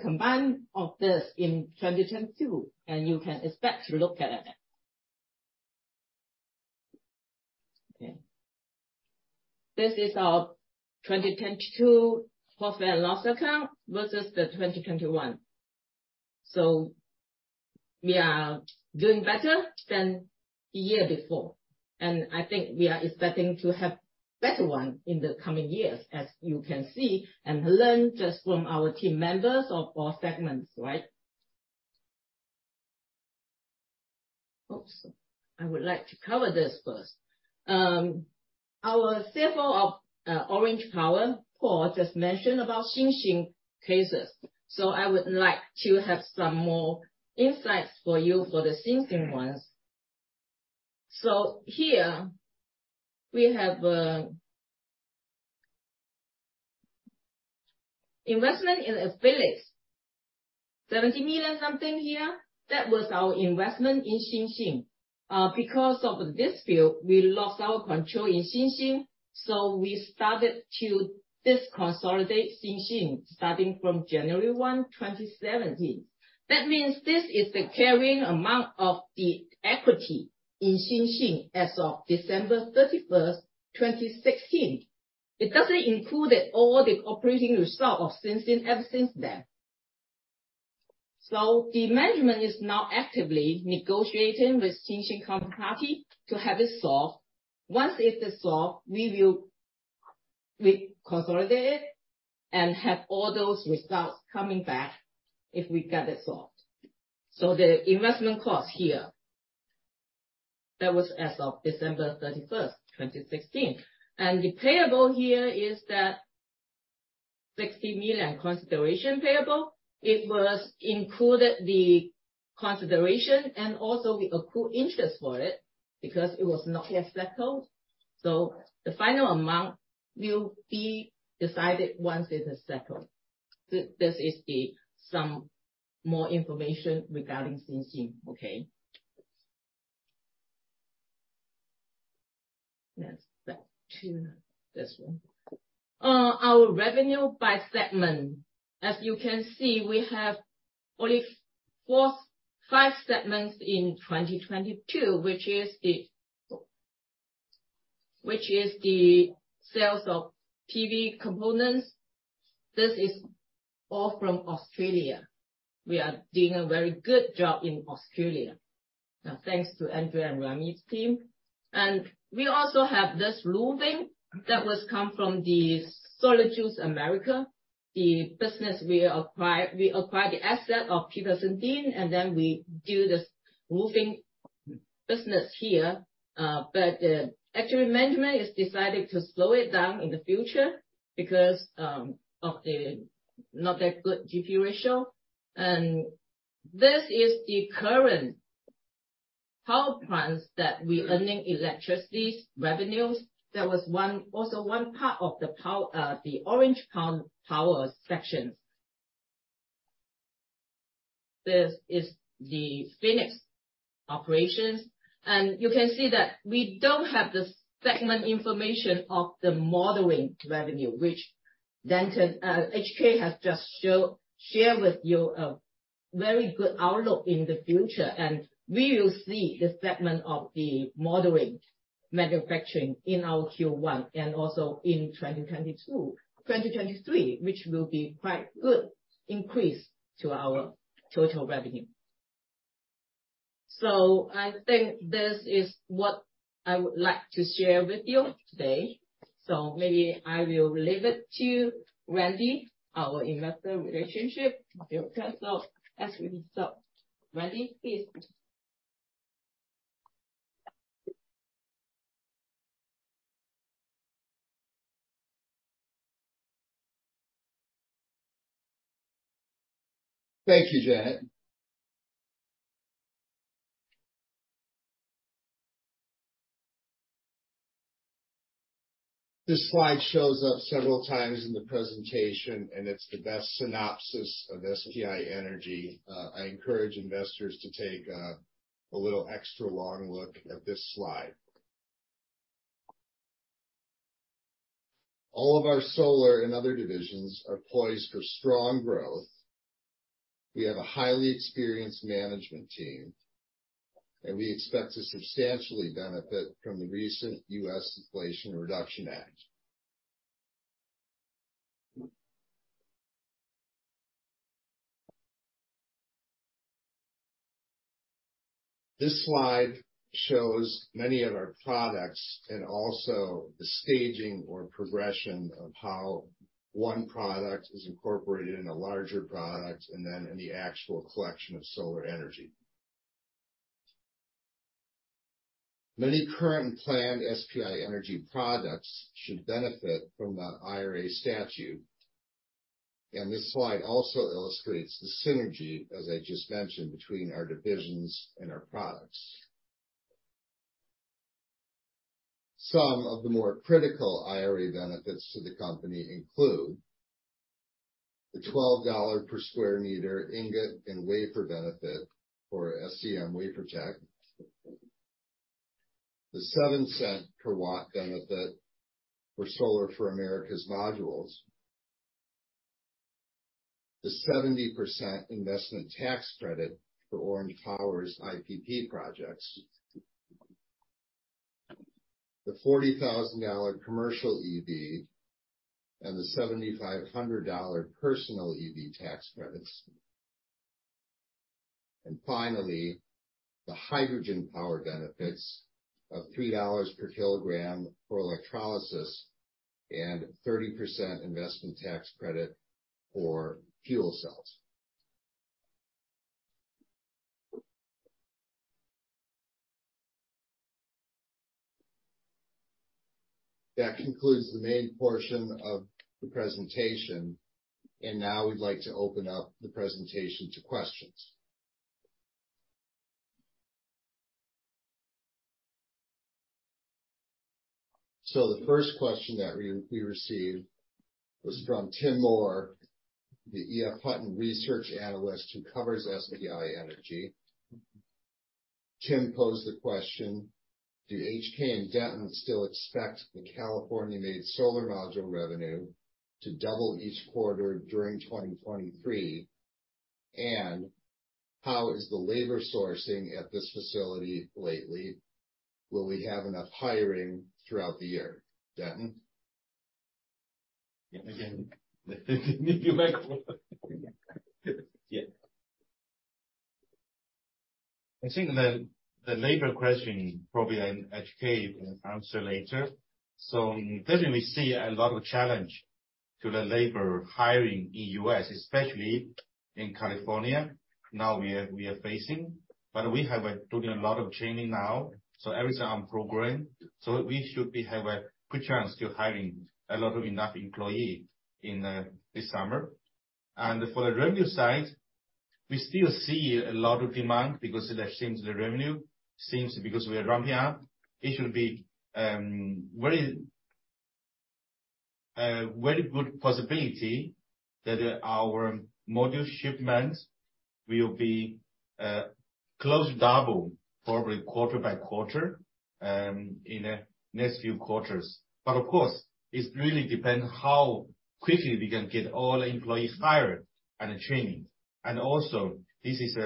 combined of this in 2022, and you can expect to look at it. Okay. This is our 2022 profit and loss account versus the 2021. We are doing better than the year before, and I think we are expecting to have better one in the coming years, as you can see and learn just from our team members of all segments, right? Oops, I would like to cover this first. Our CFO of Orange Power, Paul, just mentioned about SINSIN cases. I would like to have some more insights for you for the SINSIN ones. Here we have investment in affiliates. $70 million something here, that was our investment in SINSIN. Because of the dispute, we lost our control in SINSIN, so we started to disconsolidate SINSIN starting from January 1, 2017. That means this is the carrying amount of the equity in SINSIN as of December 31, 2016. It doesn't include the all the operating result of SINSIN ever since then. The management is now actively negotiating with SINSIN counterparty to have it solved. Once it is solved, We consolidate it and have all those results coming back if we get it solved. The investment cost here, that was as of December 31st, 2016. The payable here is that $60 million consideration payable. It was included the consideration and also we accrue interest for it because it was not yet settled. The final amount will be decided once it is settled. This is the some more information regarding Xinjiang, okay? Let's back to this one. Our revenue by segment. As you can see, we have only five segments in 2022, which is the sales of PV components. This is all from Australia. We are doing a very good job in Australia. Now, thanks to Andrew and Rami's team. We also have this roofing that was come from the SolarJuice American. The business we acquired, we acquired the asset of Petersen-Dean, then we do this roofing business here. Actually management has decided to slow it down in the future because of the not that good GP ratio. This is the current power plants that we're earning electricity revenues. That was also one part of the Orange Power section. This is the Phoenix operations. You can see that we don't have the segment information of the modeling revenue, which Denton, HK has just shared with you a very good outlook in the future. We will see the segment of the modeling manufacturing in our Q1 and also in 2022-2023, which will be quite good increase to our total revenue. I think this is what I would like to share with you today. Maybe I will leave it to Randy, our investor relationship director. As with himself. Randy, please. Thank you, Janet. This slide shows up several times in the presentation. It's the best synopsis of SPI Energy. I encourage investors to take a little extra long look at this slide. All of our solar and other divisions are poised for strong growth. We have a highly experienced management team. We expect to substantially benefit from the recent U.S. Inflation Reduction Act. This slide shows many of our products and also the staging or progression of how one product is incorporated in a larger product and then in the actual collection of solar energy. Many current and planned SPI Energy products should benefit from that IRA statute. This slide also illustrates the synergy, as I just mentioned, between our divisions and our products. Some of the more critical IRA benefits to the company include the $12 per square meter ingot and wafer benefit for SEM Wafertech, the $0.07 per watt benefit for Solar for America's modules, the 70% investment tax credit for Orange Power's IPP projects, the $40,000 commercial EV and the $7,500 personal EV tax credits, and finally, the hydrogen power benefits of $3 per kilogram for electrolysis and 30% investment tax credit for fuel cells. That concludes the main portion of the presentation. Now we'd like to open up the presentation to questions. The first question that we received was from Tim Moore, the EF Hutton research analyst who covers SPI Energy. Tim posed the question: Do HK and Denton still expect the California-made solar module revenue to double each quarter during 2023? How is the labor sourcing at this facility lately? Will we have enough hiring throughout the year? Denton? Again, you might. Yeah. I think the labor question probably HK can answer later. Currently we see a lot of challenge to the labor hiring in U.S., especially in California, now we are facing. We have doing a lot of training now, so everything on program. We should be have a good chance to hiring a lot of enough employee in this summer. For the revenue side, we still see a lot of demand because it assumes the revenue seems because we are ramping up. It should be very good possibility that our module shipments will be close double probably quarter by quarter in the next few quarters. Of course, it really depends how quickly we can get all the employees hired and trainingthis is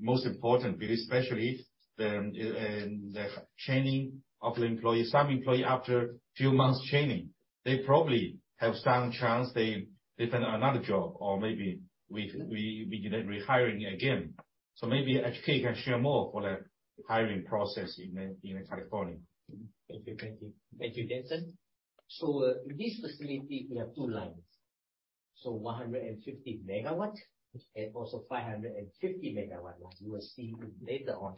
most important, but especially the training of the employees. Some employee after few months training, they probably have some chance they find another job or maybe we need rehiring again. Maybe HK can share more for the hiring process in California. Thank you. Thank you. Thank you, Denton. In this facility we have two lines, 150 MW and also 550 MW, as you will see later on.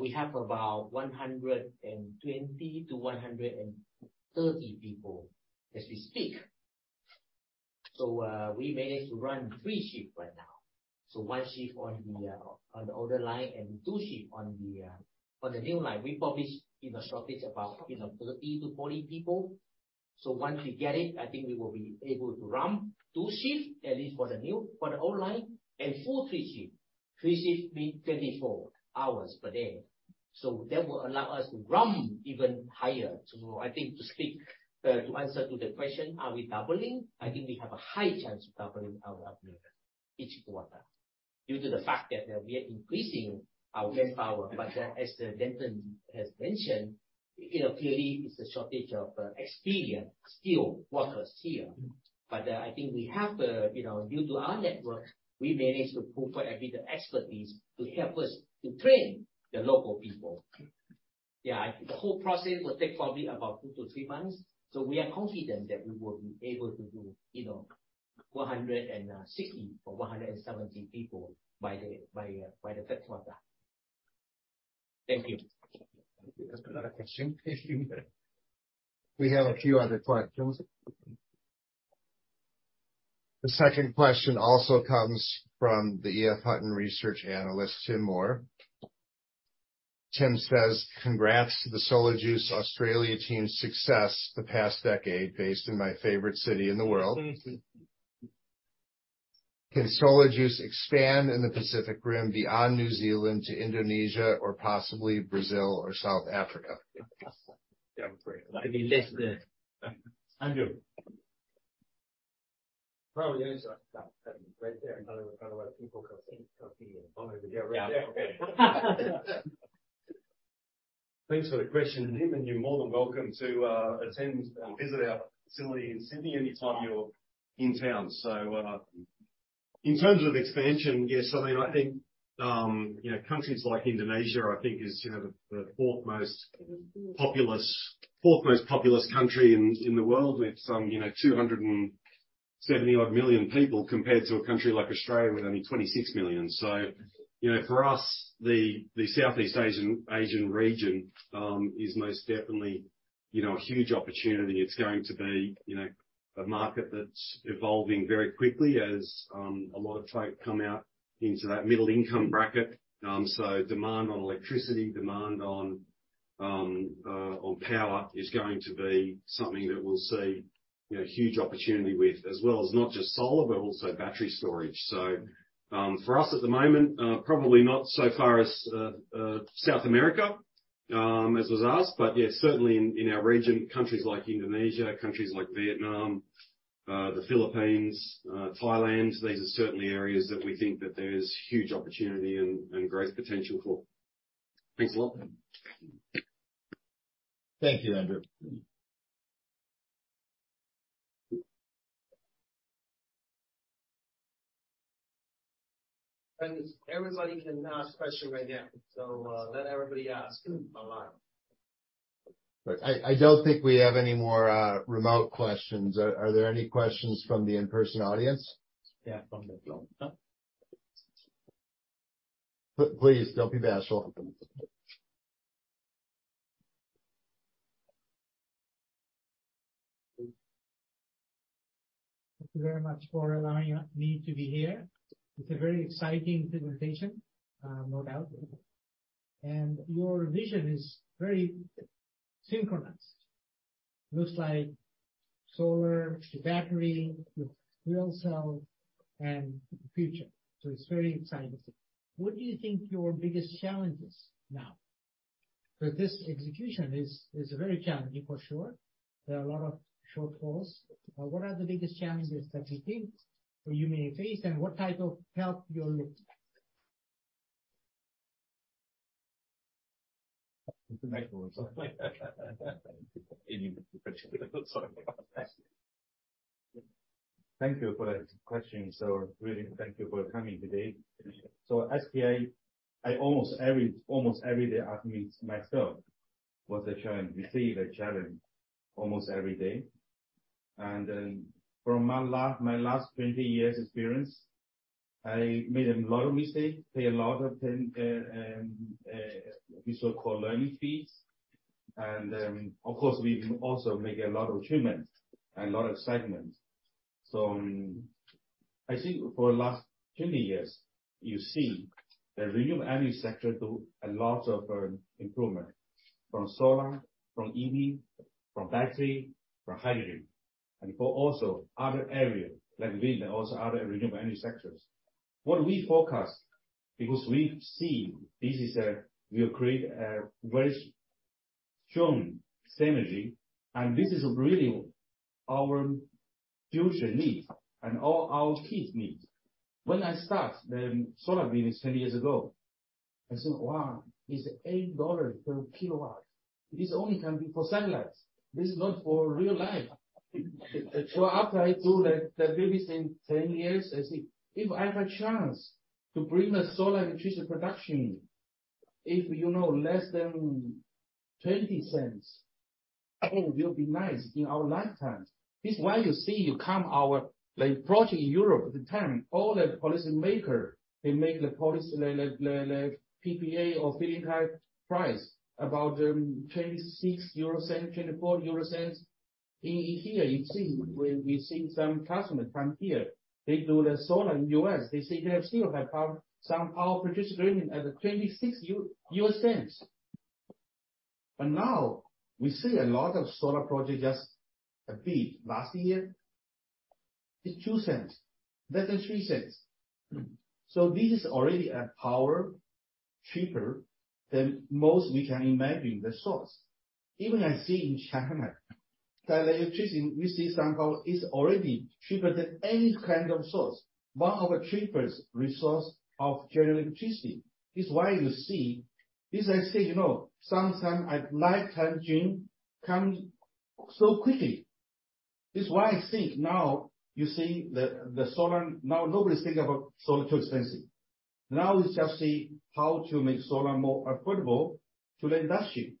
We have about 120 to 130 people as we speak. We managed to run three shifts right now. One shift on the older line and two shift on the new line. We probably in a shortage about, you know, 30 to 40 people. Once we get it, I think we will be able to run two shifts at least for the old line, and full three shifts. three shifts means 24 hours per day. That will allow us to run even higher. I think to speak, to answer to the question, are we doubling? I think we have a high chance of doubling our output each quarter due to the fact that we are increasing our manpower. As Denton has mentioned, you know, clearly it's a shortage of experienced steel workers here. I think we have the, you know, due to our network, we managed to pool quite a bit of expertise to help us to train the local people. Yeah. The whole process will take probably about two to three months, so we are confident that we will be able to do, you know, 160 or 170 people by the third quarter. Thank you. There's another question. We have a few other questions. The second question also comes from the EF Hutton research analyst, Tim Moore. Tim says, "Congrats to the SolarJuice Australia team's success the past decade, based in my favorite city in the world. Can SolarJuice expand in the Pacific Rim beyond New Zealand to Indonesia or possibly Brazil or South Africa? That'd be less there. Andrew. Probably answer that right there in front of a lot of people because he's from here. Yeah. Thanks for the question, Tim. You're more than welcome to attend, visit our facility in Sydney anytime you're in town. In terms of expansion, yes, I mean, I think, you know, countries like Indonesia, I think is, you know, the fourth most populous country in the world with some, you know, 270 odd million people compared to a country like Australia with only 26 million. You know, for us, the Southeast Asian region is most definitely, you know, a huge opportunity. It's going to be, you know, a market that's evolving very quickly as a lot of folk come out into that middle income bracket. Demand on electricity, demand on power is going to be something that we'll see, you know, huge opportunity with as well as not just solar, but also battery storage. For us at the moment, probably not so far as South America, as was asked. Yeah, certainly in our region, countries like Indonesia, countries like Vietnam, the Philippines, Thailand, these are certainly areas that we think that there is huge opportunity and growth potential for. Thanks a lot. Thank you, Andrew. Everybody can ask question right now, so, let everybody ask online. I don't think we have any more remote questions. Are there any questions from the in-person audience? Yeah, from the floor. Yeah. Please don't be bashful. Thank you very much for allowing me to be here. It's a very exciting presentation, no doubt. Your vision is very synchronous. Looks like solar to battery to fuel cell and future. It's very exciting to see. What do you think your biggest challenge is now? Because this execution is very challenging for sure. There are a lot of shortfalls. What are the biggest challenges that you think you may face and what type of help you'll look? Thank you for that question, really thank you for coming today. As PA, I almost every day ask myself, what's the challenge? We see the challenge almost every day. From my last 20 years experience, I made a lot of mistakes, pay a lot of $10, we so-call learning fees. Of course, we also make a lot of achievements and a lot of excitement. I think for the last 20 years, you see the renewable energy sector do a lot of improvement from solar, from EV, from battery, from hydrogen, and for also other areas like wind and other renewable energy sectors. What we forecast, because we've seen this will create a very strong synergy, and this is really our future need and all our kids need. When I start the solar business 10 years ago, I said, "Wow, it's $8 per kW. This only can be for satellites. This is not for real life." After I do that business in 10 years, I say, "If I have a chance to bring the solar electricity production, if you know less than $0.20, it will be nice in our lifetimes." This is why you see you come our project in Europe at the time, all the policymaker, they make the policy like PPA or feed-in tariff price about 0.26, 0.24. In here you've seen, we've seen some customer come here. They do the solar in U.S. They say they still have power, some power purchase agreement at 0.26. Now we see a lot of solar projects just a bit last year. It's $0.02, less than $0.03. This is already a power cheaper than most we can imagine the source. Even I see in China, the electricity we see somehow is already cheaper than any kind of source. One of the cheapest resource of generating electricity. This is why you see. This I say, you know, sometime at lifetime dream comes so quickly. This is why I think now you see the solar now nobody's think about solar too expensive. Now it's just see how to make solar more affordable to the industry.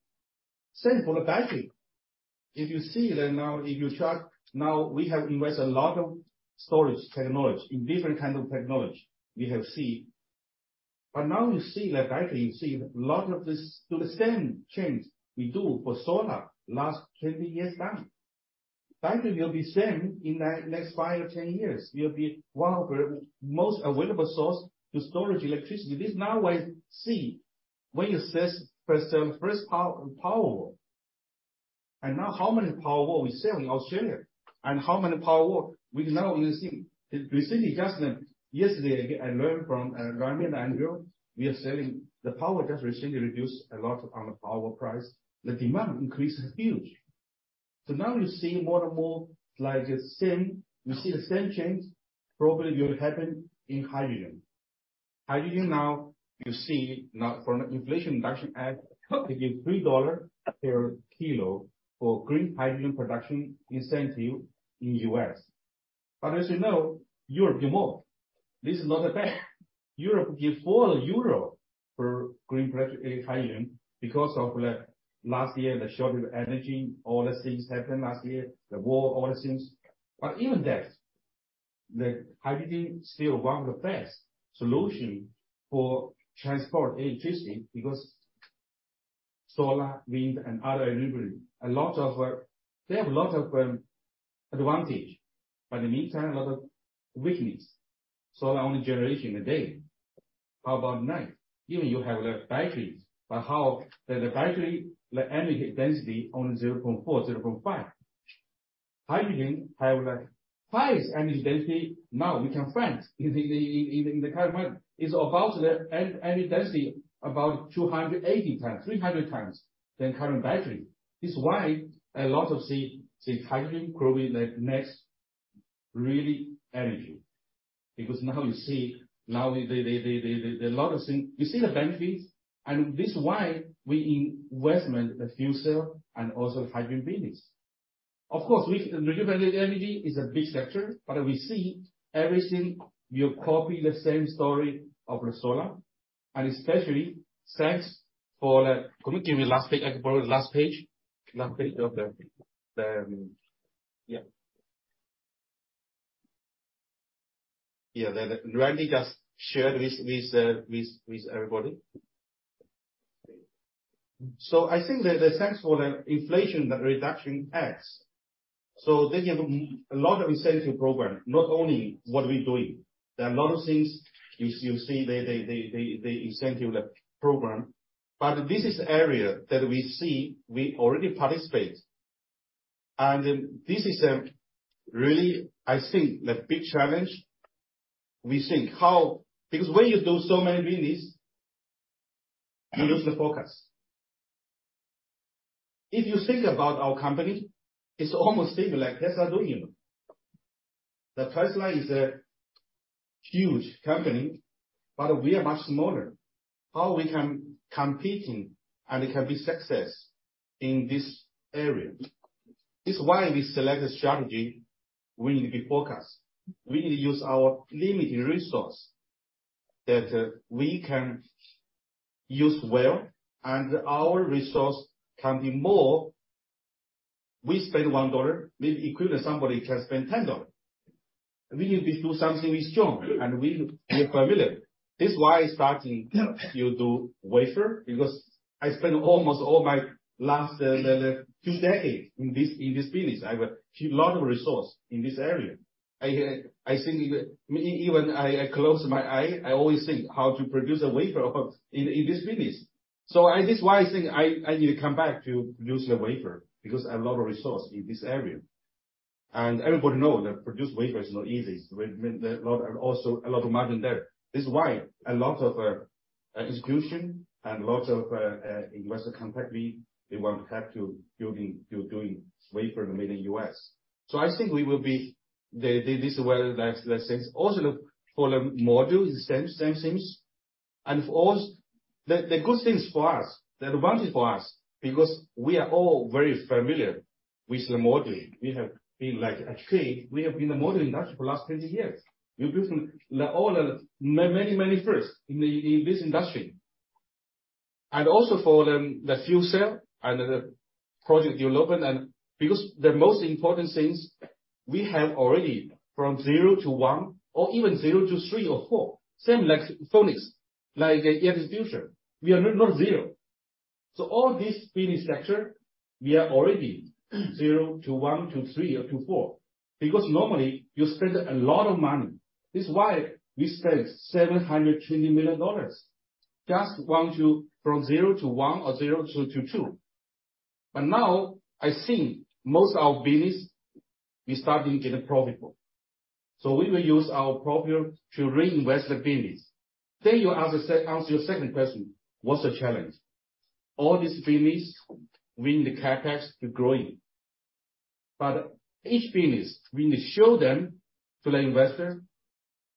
Same for the battery. If you see that now, if you track now, we have invested a lot of storage technology, in different kind of technology we have seen. Now you see that battery, you see a lot of this do the same change we do for solar last 20 years time. Battery will be same in the next five or 10 years. Will be one of the most available source to storage electricity. This now I see when you assess first Powerwall. Now how many Powerwall we sell in Australia and how many Powerwall we now only see. Recently, just yesterday I learned from Randy and Andrew, The power just recently reduced a lot on the Powerwall price. The demand increase is huge. Now you see more and more like the same, you see the same change probably will happen in hydrogen. Hydrogen now you see from the Inflation Reduction Act, it gives $3 per kilo for green hydrogen production incentive in U.S. As you know, Europe do more. This is not the best. Europe give 4 euro for green production hydrogen because of the last year, the shortage of energy, all the things happened last year, the war, all the things. Even that, the hydrogen is still one of the best solution for transport electricity because solar, wind and other renewable, a lot of. They have a lot of advantage, but in the meantime, a lot of weakness. Solar only generation in the day. How about night? Even you have the batteries, but how the battery, the energy density only 0.4, 0.5. Hydrogen have the highest energy density now we can find in the current market. It's about the energy density about 280 times, 300 times than current battery. This is why a lot of see hydrogen growing the next really energy. Because now you see, now they lot of thing. You see the benefits, and this why we investment the fuel cell and also hydrogen business. Of course, renewable energy is a big sector, but we see everything will copy the same story of the solar and especially thanks for the. Can you give me last page? I can borrow the last page. Last page of the. Yeah. Yeah. That Randy just shared with everybody. I think that thanks for the Inflation Reduction Act. They have a lot of incentive program, not only what we're doing. There are a lot of things you see they incentive that program. This is area that we see we already participate. This is really, I think the big challenge we think how. When you do so many business, you lose the focus. If you think about our company, it's almost seem like Tesla doing. The Tesla is a huge company, we are much smaller. How we can competing and can be success in this area? This is why we select a strategy. We need to be focused. We need to use our limited resource that we can use well, our resource can be more. We spend $1, we equivalent somebody can spend $10. We need to do something with strong, we are familiar. This is why I starting to do wafer, I spent almost all my last 2 decades in this business. I have a lot of resource in this area. I think even I close my eye, I always think how to produce a wafer of, in this business. I this why I think I need to come back to produce the wafer, because a lot of resource in this area. Everybody know that produce wafer is not easy. With a lot and also a lot of margin there. This is why a lot of exclusion and lots of investor contact me. They want to help to building to doing wafer made in U.S. I think we will be the, this is where that sense. Also the, for the module is the same things. The good things for us, the advantage for us, because we are all very familiar with the module. We have been like a tree. We have been the module industry for the last 20 years. We built all the many first in this industry. Also for the fuel cell and the project development. Because the most important things we have already from zero to one or even zero to three or four, same like Sonus, like Air Distribution. We are not zero. All this business sector, we are already zero to one to three or to four. Because normally you spend a lot of money. This is why we spent $720 million, just want to from zero to one or zero to two. Now I think most of our business is starting to get profitable. We will use our profit to reinvest the business. You ask your second question, what's the challenge? All this business, we need the CapEx to growing. Each business, we need to show them to the investor,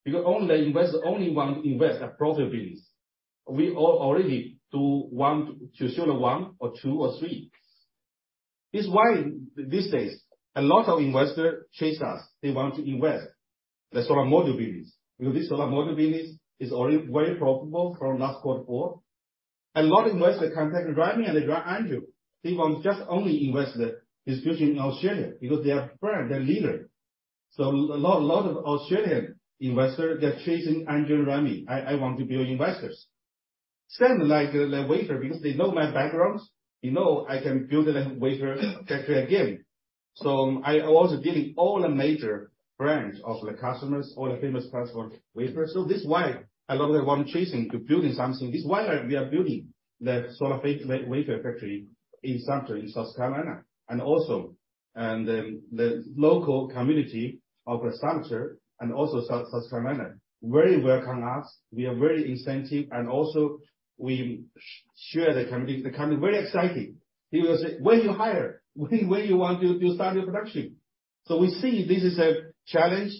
because all the investor only want to invest a profitable business. We already do one to show the one or two or three. This is why these days a lot of investor chase us. They want to invest the solar module business. Because this solar module business is already very profitable from last Q4. A lot of investor contact Rami and Andrew. They want just only invest the distribution in Australia because they are friend, they are leader. A lot of Australian investor, they're chasing Andrew and Rami. I want to be your investors. Same like the wafer, because they know my background. They know I can build the wafer factory again. I also dealing all the major brands of the customers, all the famous customer wafer. This is why a lot of them want chasing to building something. This is why we are building the solar wafer factory in Sumter, in South Carolina. Also, the local community of Sumter and South Carolina, very welcome us. We are very incentive. Also we share the community. The county very exciting. He will say, "When you hire? When you want to do start your production?" We see this is a challenge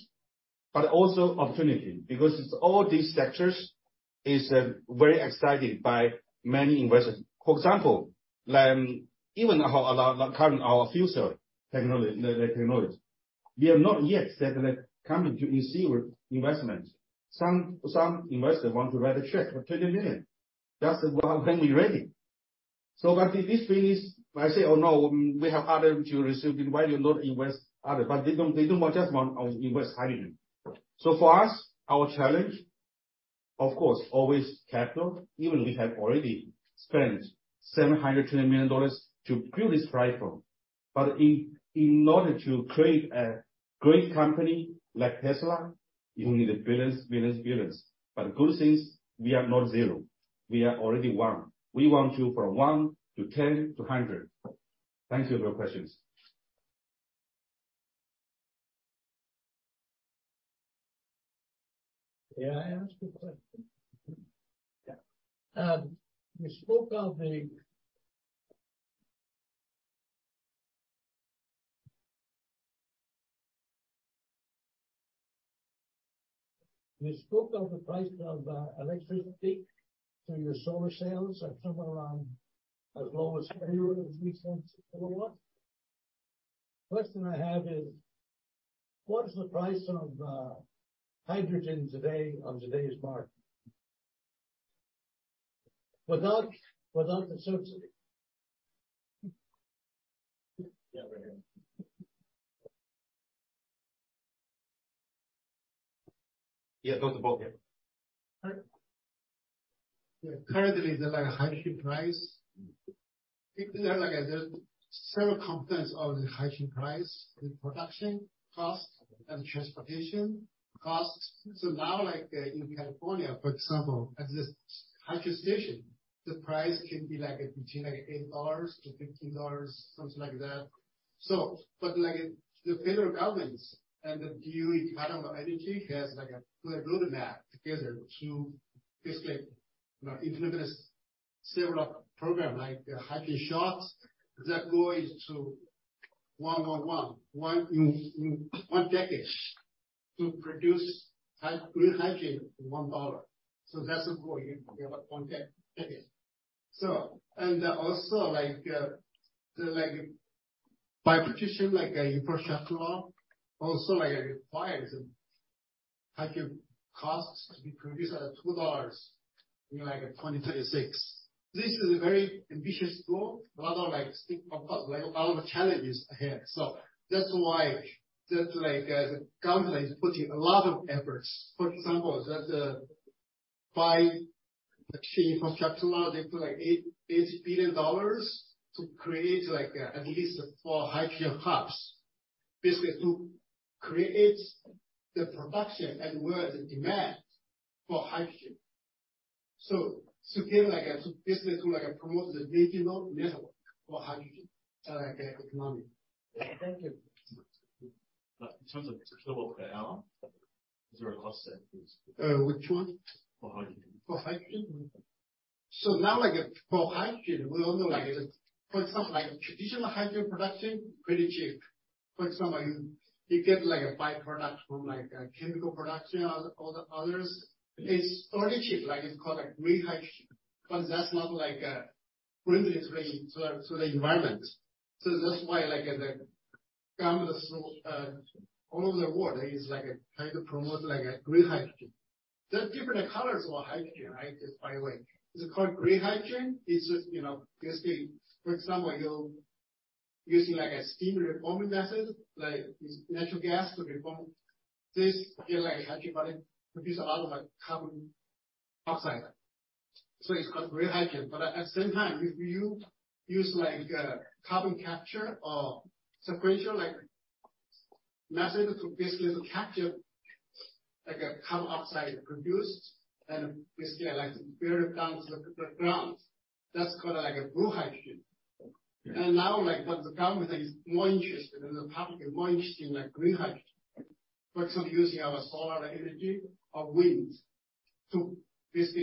but also opportunity because all these sectors is very excited by many investors. For example, even our current, our future technology, the technologies, we have not yet started a company to receive investment. Some investor want to write a check for $20 million. That's when we're ready. This business, I say, "Oh, no, we have other to receive. Why you not invest other?" They don't want just want invest hydrogen. For us, our challenge, of course, always capital. Even we have already spent $720 million to build this platform. In order to create a great company like Tesla, you need billions, billions. Good things, we are not zero. We are already one. We want to from one to 10 to 100. Thank you for your questions. May I ask a question? Yeah. You spoke of the price of electricity to your solar cells at somewhere around as low as anywhere as three cents per watt. Question I have is, what is the price of hydrogen today on today's market? Without the subsidy? Yeah. Right here. Yeah, Dr. Bo. Currently, the hydrogen price. There are several components of the hydrogen price. The production cost and transportation costs. Now, like, in California, for example, at this hydrogen station, the price can be like between $8-$15, something like that. But like the federal government and the DOE, U.S. Department of Energy, has like a clear roadmap together to basically, you know, implement several program like the Hydrogen Shot. Their goal is to one in one decade to produce green hydrogen for $1. That's the goal here about one decade. Also like the Bipartisan Infrastructure Law, also like requires hydrogen costs to be produced at $2 in like 2036. This is a very ambitious goal. A lot of like think about like a lot of challenges ahead. That's why just like as a government is putting a lot of efforts. For example, that's by the Bipartisan Infrastructure Law, they put like $8 billion to create like at least four hydrogen hubs. Basically to create the production and where the demand for hydrogen. To basically to like promote the national network for hydrogen, like economic. Thank you. In terms of kWh, is there a cost there please? Which one? For hydrogen. For hydrogen? Now for hydrogen, we all know for some traditional hydrogen production, pretty cheap. For example, you get a by-product from chemical production or the others. It's already cheap, it's called green hydrogen, that's not friendly to the environment. That's why the government all over the world is trying to promote a green hydrogen. There are different colors for hydrogen, right? Just by the way. It's called green hydrogen. It's just, you know, basically, for example, you're using a steam reforming method, use natural gas to reform. This give hydrogen, it produce a lot of carbon dioxide. It's called green hydrogen. At the same time, if you use like, carbon capture or sequential like method to basically to capture like a carbon dioxide produced and basically like bury it down to the ground. That's called like a blue hydrogen. Yeah. Now like what the government is more interested and the public is more interested in like green hydrogen. For example, using our solar energy or wind to this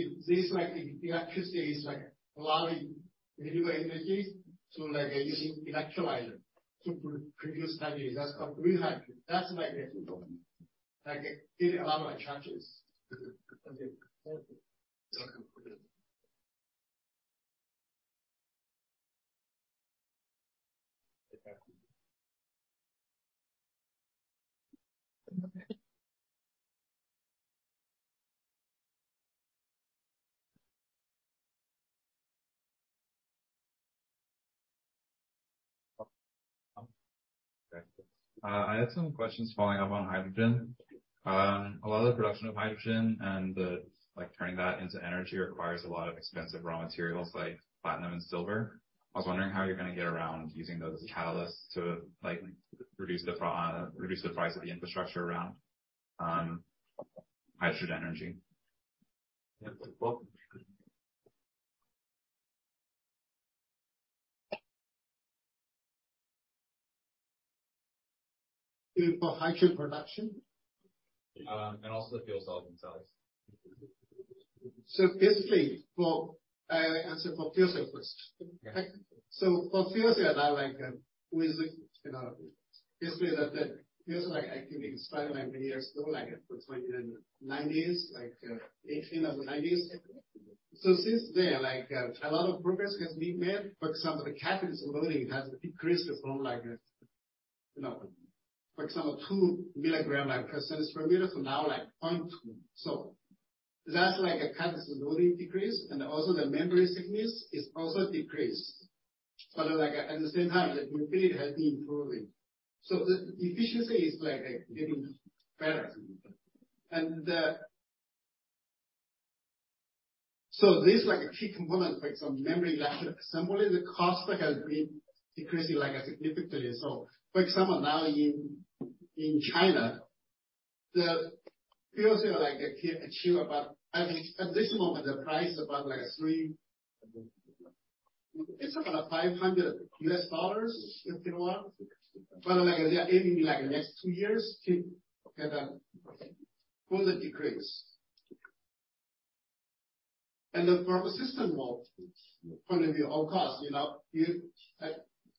like electricity is like allowing renewable energies to like using electrolyzer to produce hydrogen. That's called green hydrogen. That's like getting a lot of like chances. Thank you. You're welcome. Okay. I had some questions following up on hydrogen. A lot of the production of hydrogen and the, like, turning that into energy requires a lot of expensive raw materials like platinum and silver. I was wondering how you're gonna get around using those catalysts to, like, reduce the price of the infrastructure around hydrogen energy. Yeah. For hydrogen production? Also the fuel cell themselves. Basically for, answer for fuel cell first. Yeah. For fuel cell now like, with, you know, basically that the fuel cell actually started like many years ago, like between the 90s, like, 1890s. Since then, like, a lot of progress has been made, but some of the catalyst loading has decreased from like, you know, for example 2 mg like per centimeter. Now like 0.2. That's like a catalyst loading decrease, and also the membrane thickness is also decreased. Like at the same time, the durability has been improving. The efficiency is like getting better. This like a key component, for example, membrane electrode assembly, the cost like has been decreasing like significantly. For example, now in China, the fuel cell like can achieve about. At least, at this moment, the price about like three, it's about $500 if you want. Like yeah, maybe in like next two years can have a further decrease. For system level, from the overall cost, you know, you,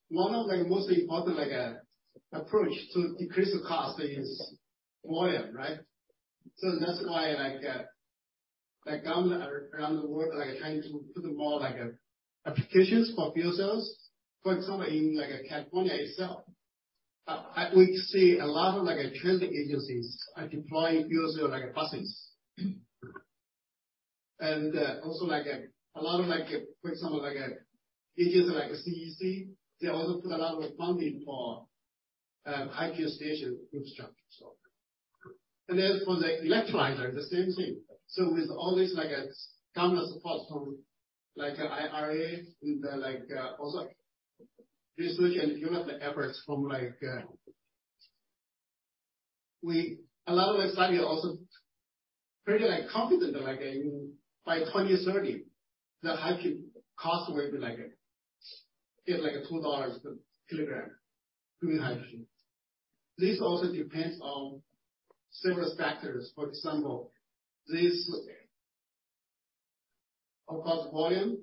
one of like most important like approach to decrease the cost is volume, right? That's why like government around the world are like trying to put more like applications for fuel cells. For example, in like California itself, we see a lot of like transit agencies are deploying fuel cell like buses. Also like a lot of like, for example, like agencies like CEC, they also put a lot of funding for hydrogen station infrastructure. For the electrolyzer, the same thing. With all this like government support from like IRA with like also research and development efforts from like, a lot of the study also pretty like confident that like in by 2030, the hydrogen cost will be like. Get like $2 per kilogram green hydrogen. This also depends on several factors. For example, this of course volume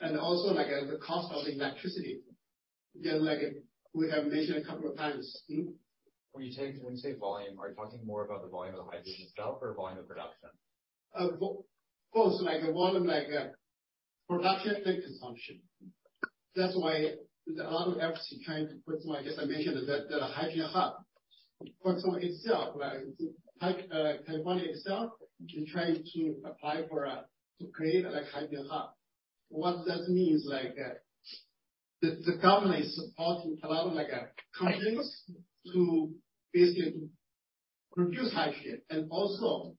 and also like, the cost of electricity. Again, like we have mentioned a couple of times. When you say volume, are you talking more about the volume of the hydrogen itself or volume of production? Both. Like, volume like, production and consumption. That's why there's a lot of efforts in trying to put some I guess I mentioned that, a hydrogen hub. For example itself, like, Taiwan itself, they try to apply for, to create like hydrogen hub. What that means, like, the government is supporting a lot of, like, companies to basically produce hydrogen and also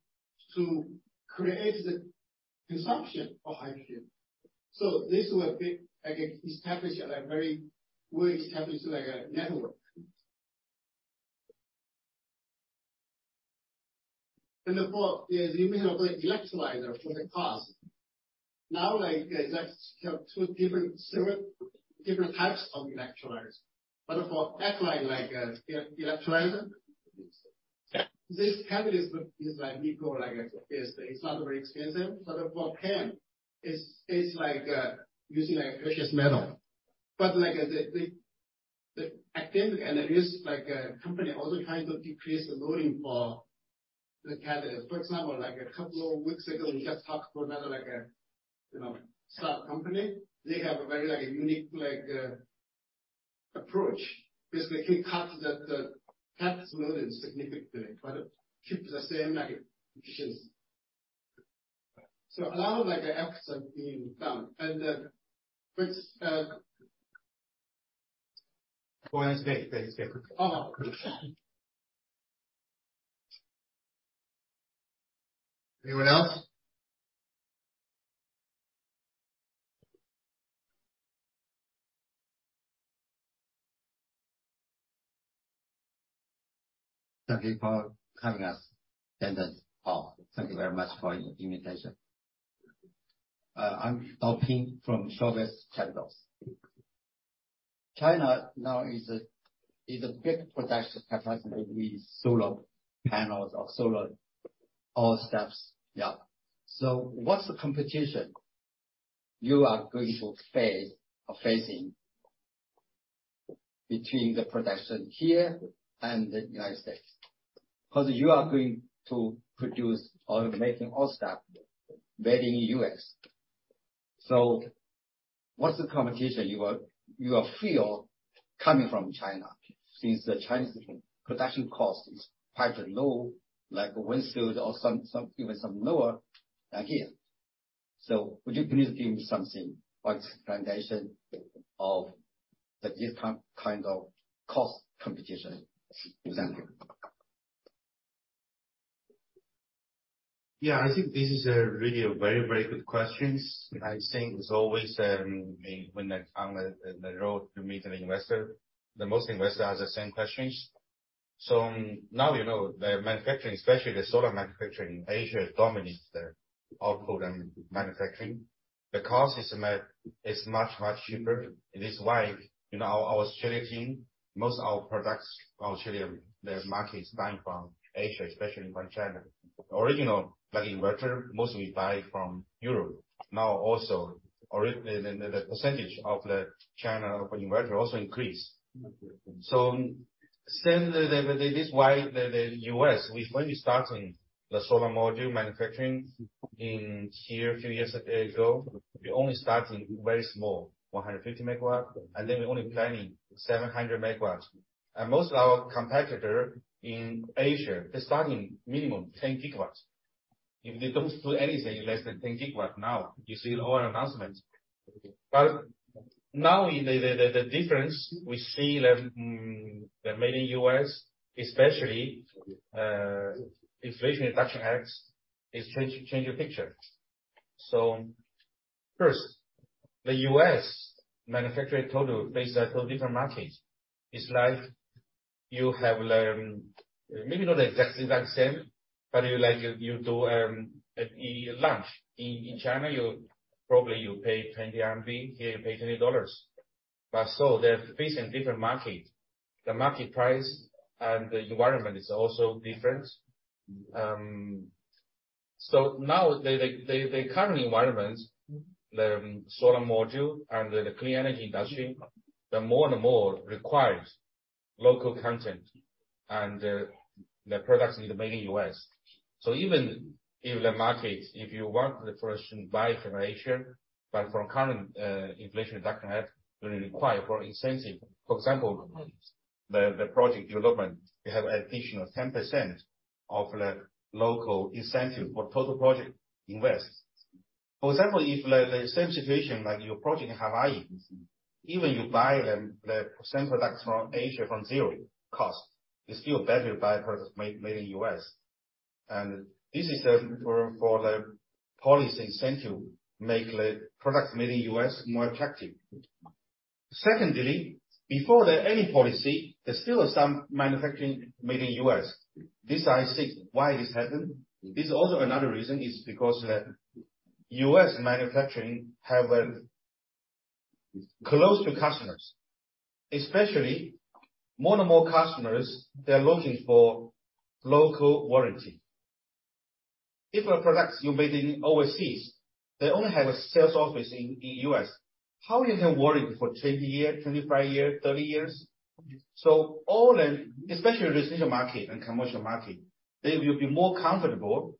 to create the consumption of hydrogen. This will be, like, establish a very well established, like, network. Of course, yeah, you may have an electrolyzer for the cost. Now like, that's have two different, several different types of electrolyzers. For alkaline like, electrolyzer, this catalyst is like nickel, like, it's not very expensive. For PEM it's like, using a precious metal. Like I said, the academic and it is like a company also trying to decrease the loading for the catalyst. For example, like 2 weeks ago, we just talked about another, like, you know, start company. They have a very, like, unique, like, approach. Basically cuts the catalyst loading significantly, but it keeps the same, like, efficiency. A lot of, like, efforts are being done and, which Go ahead, Dave. Dave, go. Oh, okay. Anyone else? Thank you for having us. Thank you very much for your invitation. I'm Daoping from Shorevest Capital. China now is a big production capacity with solar panels or solar, all steps. What's the competition you are going to face or facing between the production here and the United States? Because you are going to produce or making all step made in U.S. What's the competition you will feel coming from China since the Chinese production cost is quite low, like wind field or some even some lower than here. Would you please give me something like foundation of the different kind of cost competition, for example? I think this is a really, a very, very good questions. I think there's always, when on the road you meet an investor, the most investors have the same questions. Now you know the manufacturing, especially the solar manufacturing, Asia dominates the output and manufacturing. The cost is much, much cheaper. It is why, you know, our Australian team, most of our products, Australia, their market is buying from Asia, especially from China. Original, like, inverter, mostly we buy from Europe. Now also the percentage of the China for inverter also increase. Same this is why the U.S., we've only starting the solar module manufacturing in here a few years ago. We only starting very small, 150 MW, and then we only planning 700 MW. Most of our competitor in Asia, they're starting minimum 10 GWs. If they don't do anything less than 10 GW now, you see all announcements. Now the difference we see that they're made in U.S., especially Inflation Reduction Act is change the picture. First, the U.S. manufacture total based on total different markets. It's like you have, maybe not exactly that same, but you like, you do, you lunch. In China you probably you pay 10 RMB, here you pay $20. They're facing different markets. The market price and the environment is also different. Now the current environment, the solar module and the clean energy industry, they more and more requires local content and the products need to made in U.S. Even if the market, if you want the first buy from Asia, but from current Inflation Reduction Act will require for incentive. For example, the project development, they have additional 10% of the local incentive for total project invest. For example, if the same situation like your project in Hawaii, even you buy the same products from Asia from zero cost, it's still better to buy products made in U.S. This is for the policy incentive, make the products made in U.S. more attractive. Secondly, before there any policy, there's still some manufacturing made in U.S. This I think why this happened is also another reason is because the U.S. manufacturing have close to customers. Especially more and more customers, they are looking for local warranty. If a product you made in overseas, they only have a sales office in U.S. How you can warranty for 20 year, 25 year, 30 years? All the especially residential market and commercial market, they will be more comfortable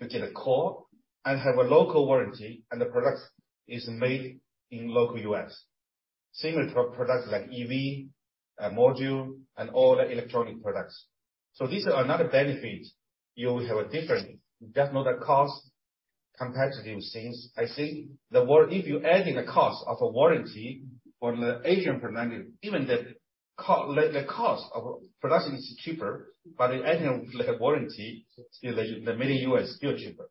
to get a call and have a local warranty and the product is made in local U.S. Similar to products like EV module, and all the electronic products. These are another benefit. You will have a different, definitely the cost competitive since I think if you're adding a cost of a warranty from the Asian manufacturer, even the cost of production is cheaper, but adding like a warranty, still the made in U.S. still cheaper.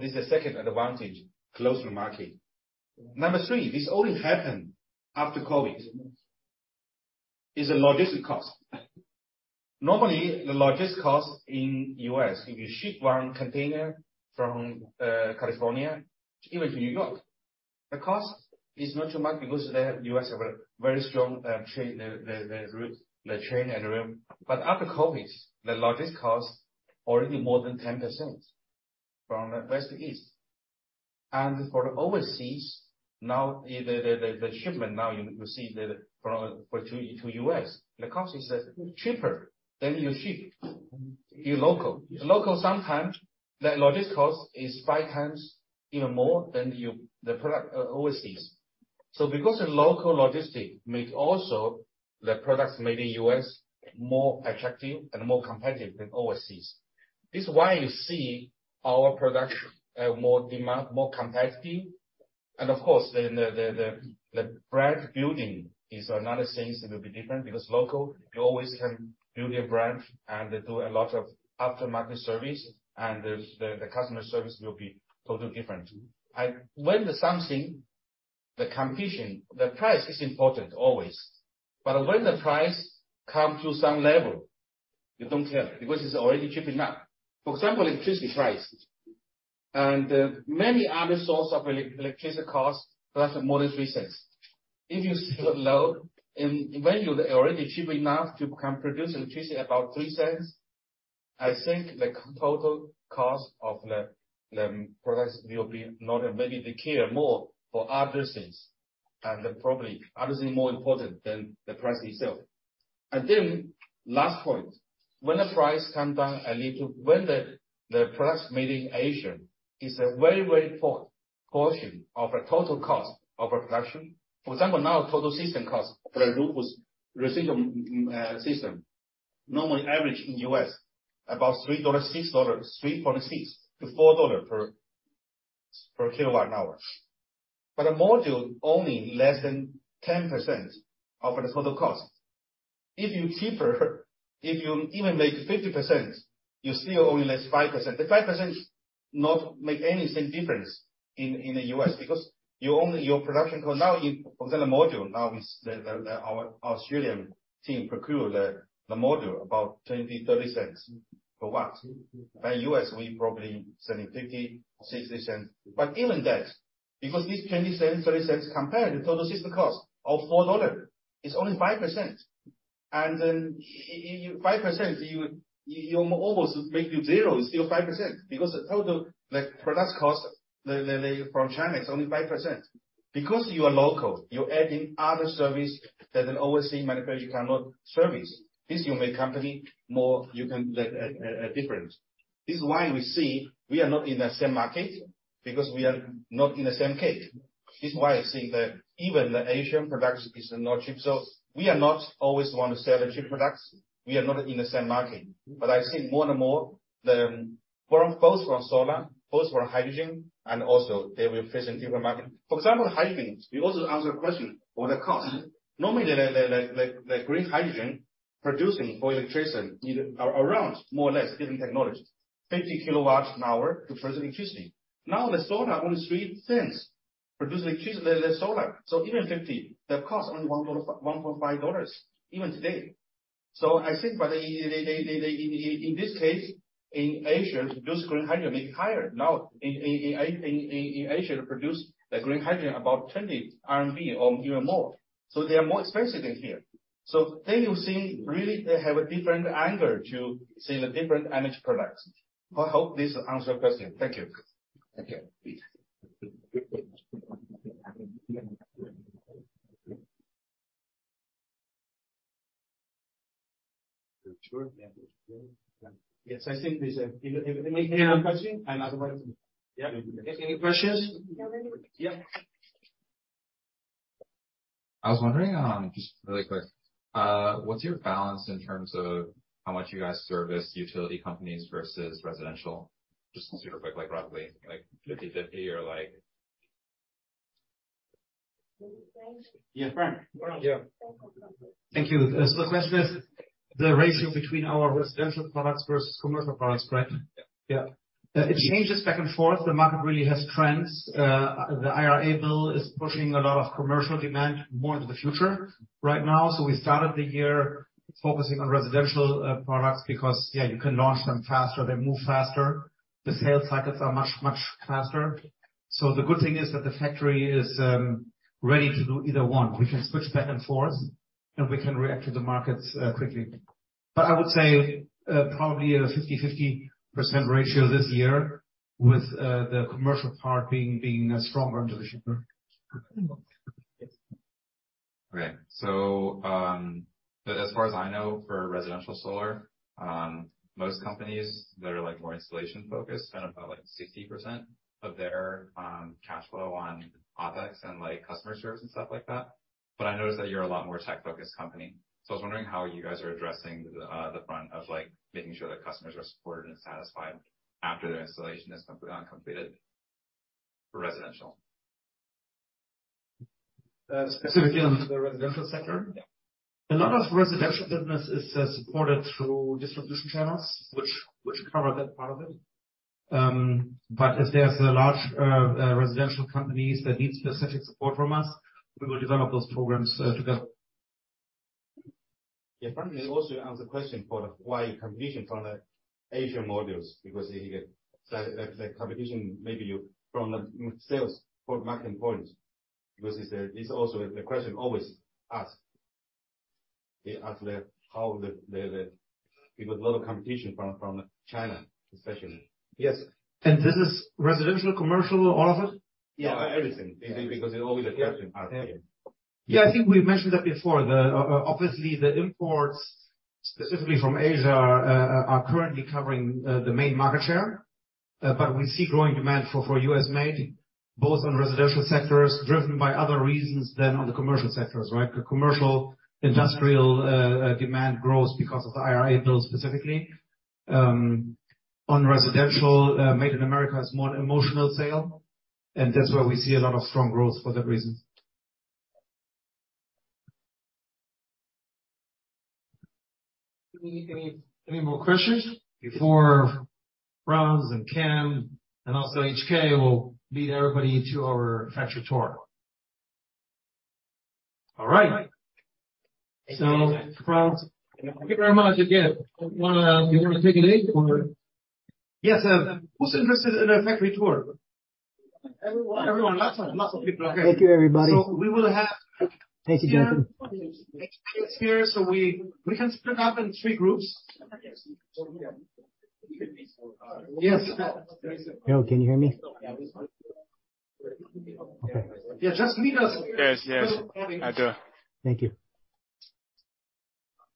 This is second advantage, close to market. Number three, this only happened after COVID, is the logistic cost. Normally, the logistics cost in U.S., if you ship 1 container from California even to New York, the cost is not too much because U.S. have a very strong train, the route, the train and rail. After COVID, the logistics cost already more than 10% from the west to east. For overseas, now the shipment, now you see to U.S., the cost is cheaper than you ship your local. Local sometimes the logistics cost is 5x even more than the product overseas. Because the local logistics make also the products made in U.S. more attractive and more competitive than overseas. This is why you see our production, more demand, more competitive. Of course the brand building is another things that will be different because local, you always can build your brand and do a lot of aftermarket service and the customer service will be totally different. When there's something, the competition, the price is important always. When the price come to some level, you don't care because it's already cheap enough. For example, electricity price and many other source of electricity cost less than more than $0.03. If you see the load and when you already cheap enough to become produce electricity about $0.03, I think the total cost of the products will be not maybe the care more for other things, and probably other things more important than the price itself. Last point, when the price come down a little, when the price made in Asia is a very, very portion of a total cost of a production. For example, now total system cost for a roofless residential system normally average in U.S. about $3, $6, $3.6-$4 per kW an hour. A module only less than 10% of the total cost. If you cheaper, if you even make 50%, you still only less 5%. The 5% not make any sense difference in the U.S. because you only, your production cost now in. For example, the module, now is our Australian team procure the module about $0.20-$0.30 per watt. U.S., we probably selling $0.50-$0.60. Even that, because this $0.20, $0.30 compared to total system cost of $4, is only 5%. Then you 5% you almost make it zero, it's still 5% because the total like products cost the from China is only 5%. You are local, you're adding other service that an overseas manufacturer cannot service. This you make company more, you can make a difference. This is why we see we are not in the same market because we are not in the same cake. This is why I think that even the Asian products is not cheap. We are not always the one to sell the cheap products. We are not in the same market. I think more and more the both from solar, both from hydrogen they will face a different market. For example, hydrogen, we also answer question on the cost. Normally the green hydrogen producing for electricity need around more or less different technologies. 50 kWh to produce electricity. the solar only $0.03 produce electricity, the solar. even 50, the cost only $1, $1.5 even today. I think in this case, in Asia to produce green hydrogen is higher. in Asia to produce the green hydrogen about 20 RMB or even more. you see really they have a different angle to see the different energy products. I hope this answer your question. Thank you. Okay. Please. Sure. Yes, I think this, if anybody has any question, I'm available. Yeah. Any questions? Yeah. Yeah. I was wondering, just really quick, what's your balance in terms of how much you guys service utility companies versus residential? Just super quick, like roughly, like 50/50 or like? Franz? Yes, Franz. Yeah. Thank you. Thank you. The question is The ratio between our residential products versus commercial products, right? Yeah. Yeah. It changes back and forth. The market really has trends. The IRA bill is pushing a lot of commercial demand more into the future right now. We started the year focusing on residential products because, yeah, you can launch them faster, they move faster. The sales cycles are much faster. The good thing is that the factory is ready to do either one. We can switch back and forth, and we can react to the markets quickly. I would say, probably a 50/50% ratio this year with the commercial part being stronger into the future. Okay. As far as I know, for residential solar, most companies that are like more installation-focused spend about like 60% of their cash flow on OpEx and like customer service and stuff like that. I noticed that you're a lot more tech-focused company. I was wondering how you guys are addressing the front of like making sure that customers are supported and satisfied after their installation is completely uncompleted for residential? Specifically on the residential sector? Yeah. A lot of residential business is supported through distribution channels which cover that part of it. If there's large residential companies that need specific support from us, we will develop those programs together. Yeah. Franz, it also answer question for why your competition from the Asian modules, because the competition maybe from the sales for market points. It's also the question always asked. They ask how the a lot of competition from China especially. Yes. This is residential, commercial, all of it? Yeah, everything. It's always a question asked. Yeah. I think we mentioned that before. The obviously the imports specifically from Asia are currently covering the main market share. We see growing demand for US-made, both on residential sectors driven by other reasons than on the commercial sectors, right? The commercial industrial demand grows because of the IRA bill specifically. On residential, made in America is more an emotional sale, and that's where we see a lot of strong growth for that reason. Any more questions before Franz and Cam, and also HK will lead everybody to our factory tour? All right. Franz, thank you very much again. You wanna take the lead or? Yes, sir. Who's interested in a factory tour? Everyone. Everyone. Lots of people. Thank you, everybody. we will Thank you, gentlemen. Cam is here, so we can split up in three groups. Yes. Yo, can you hear me? Okay. Yeah, just meet us. Yes. Yes, I do. Thank you.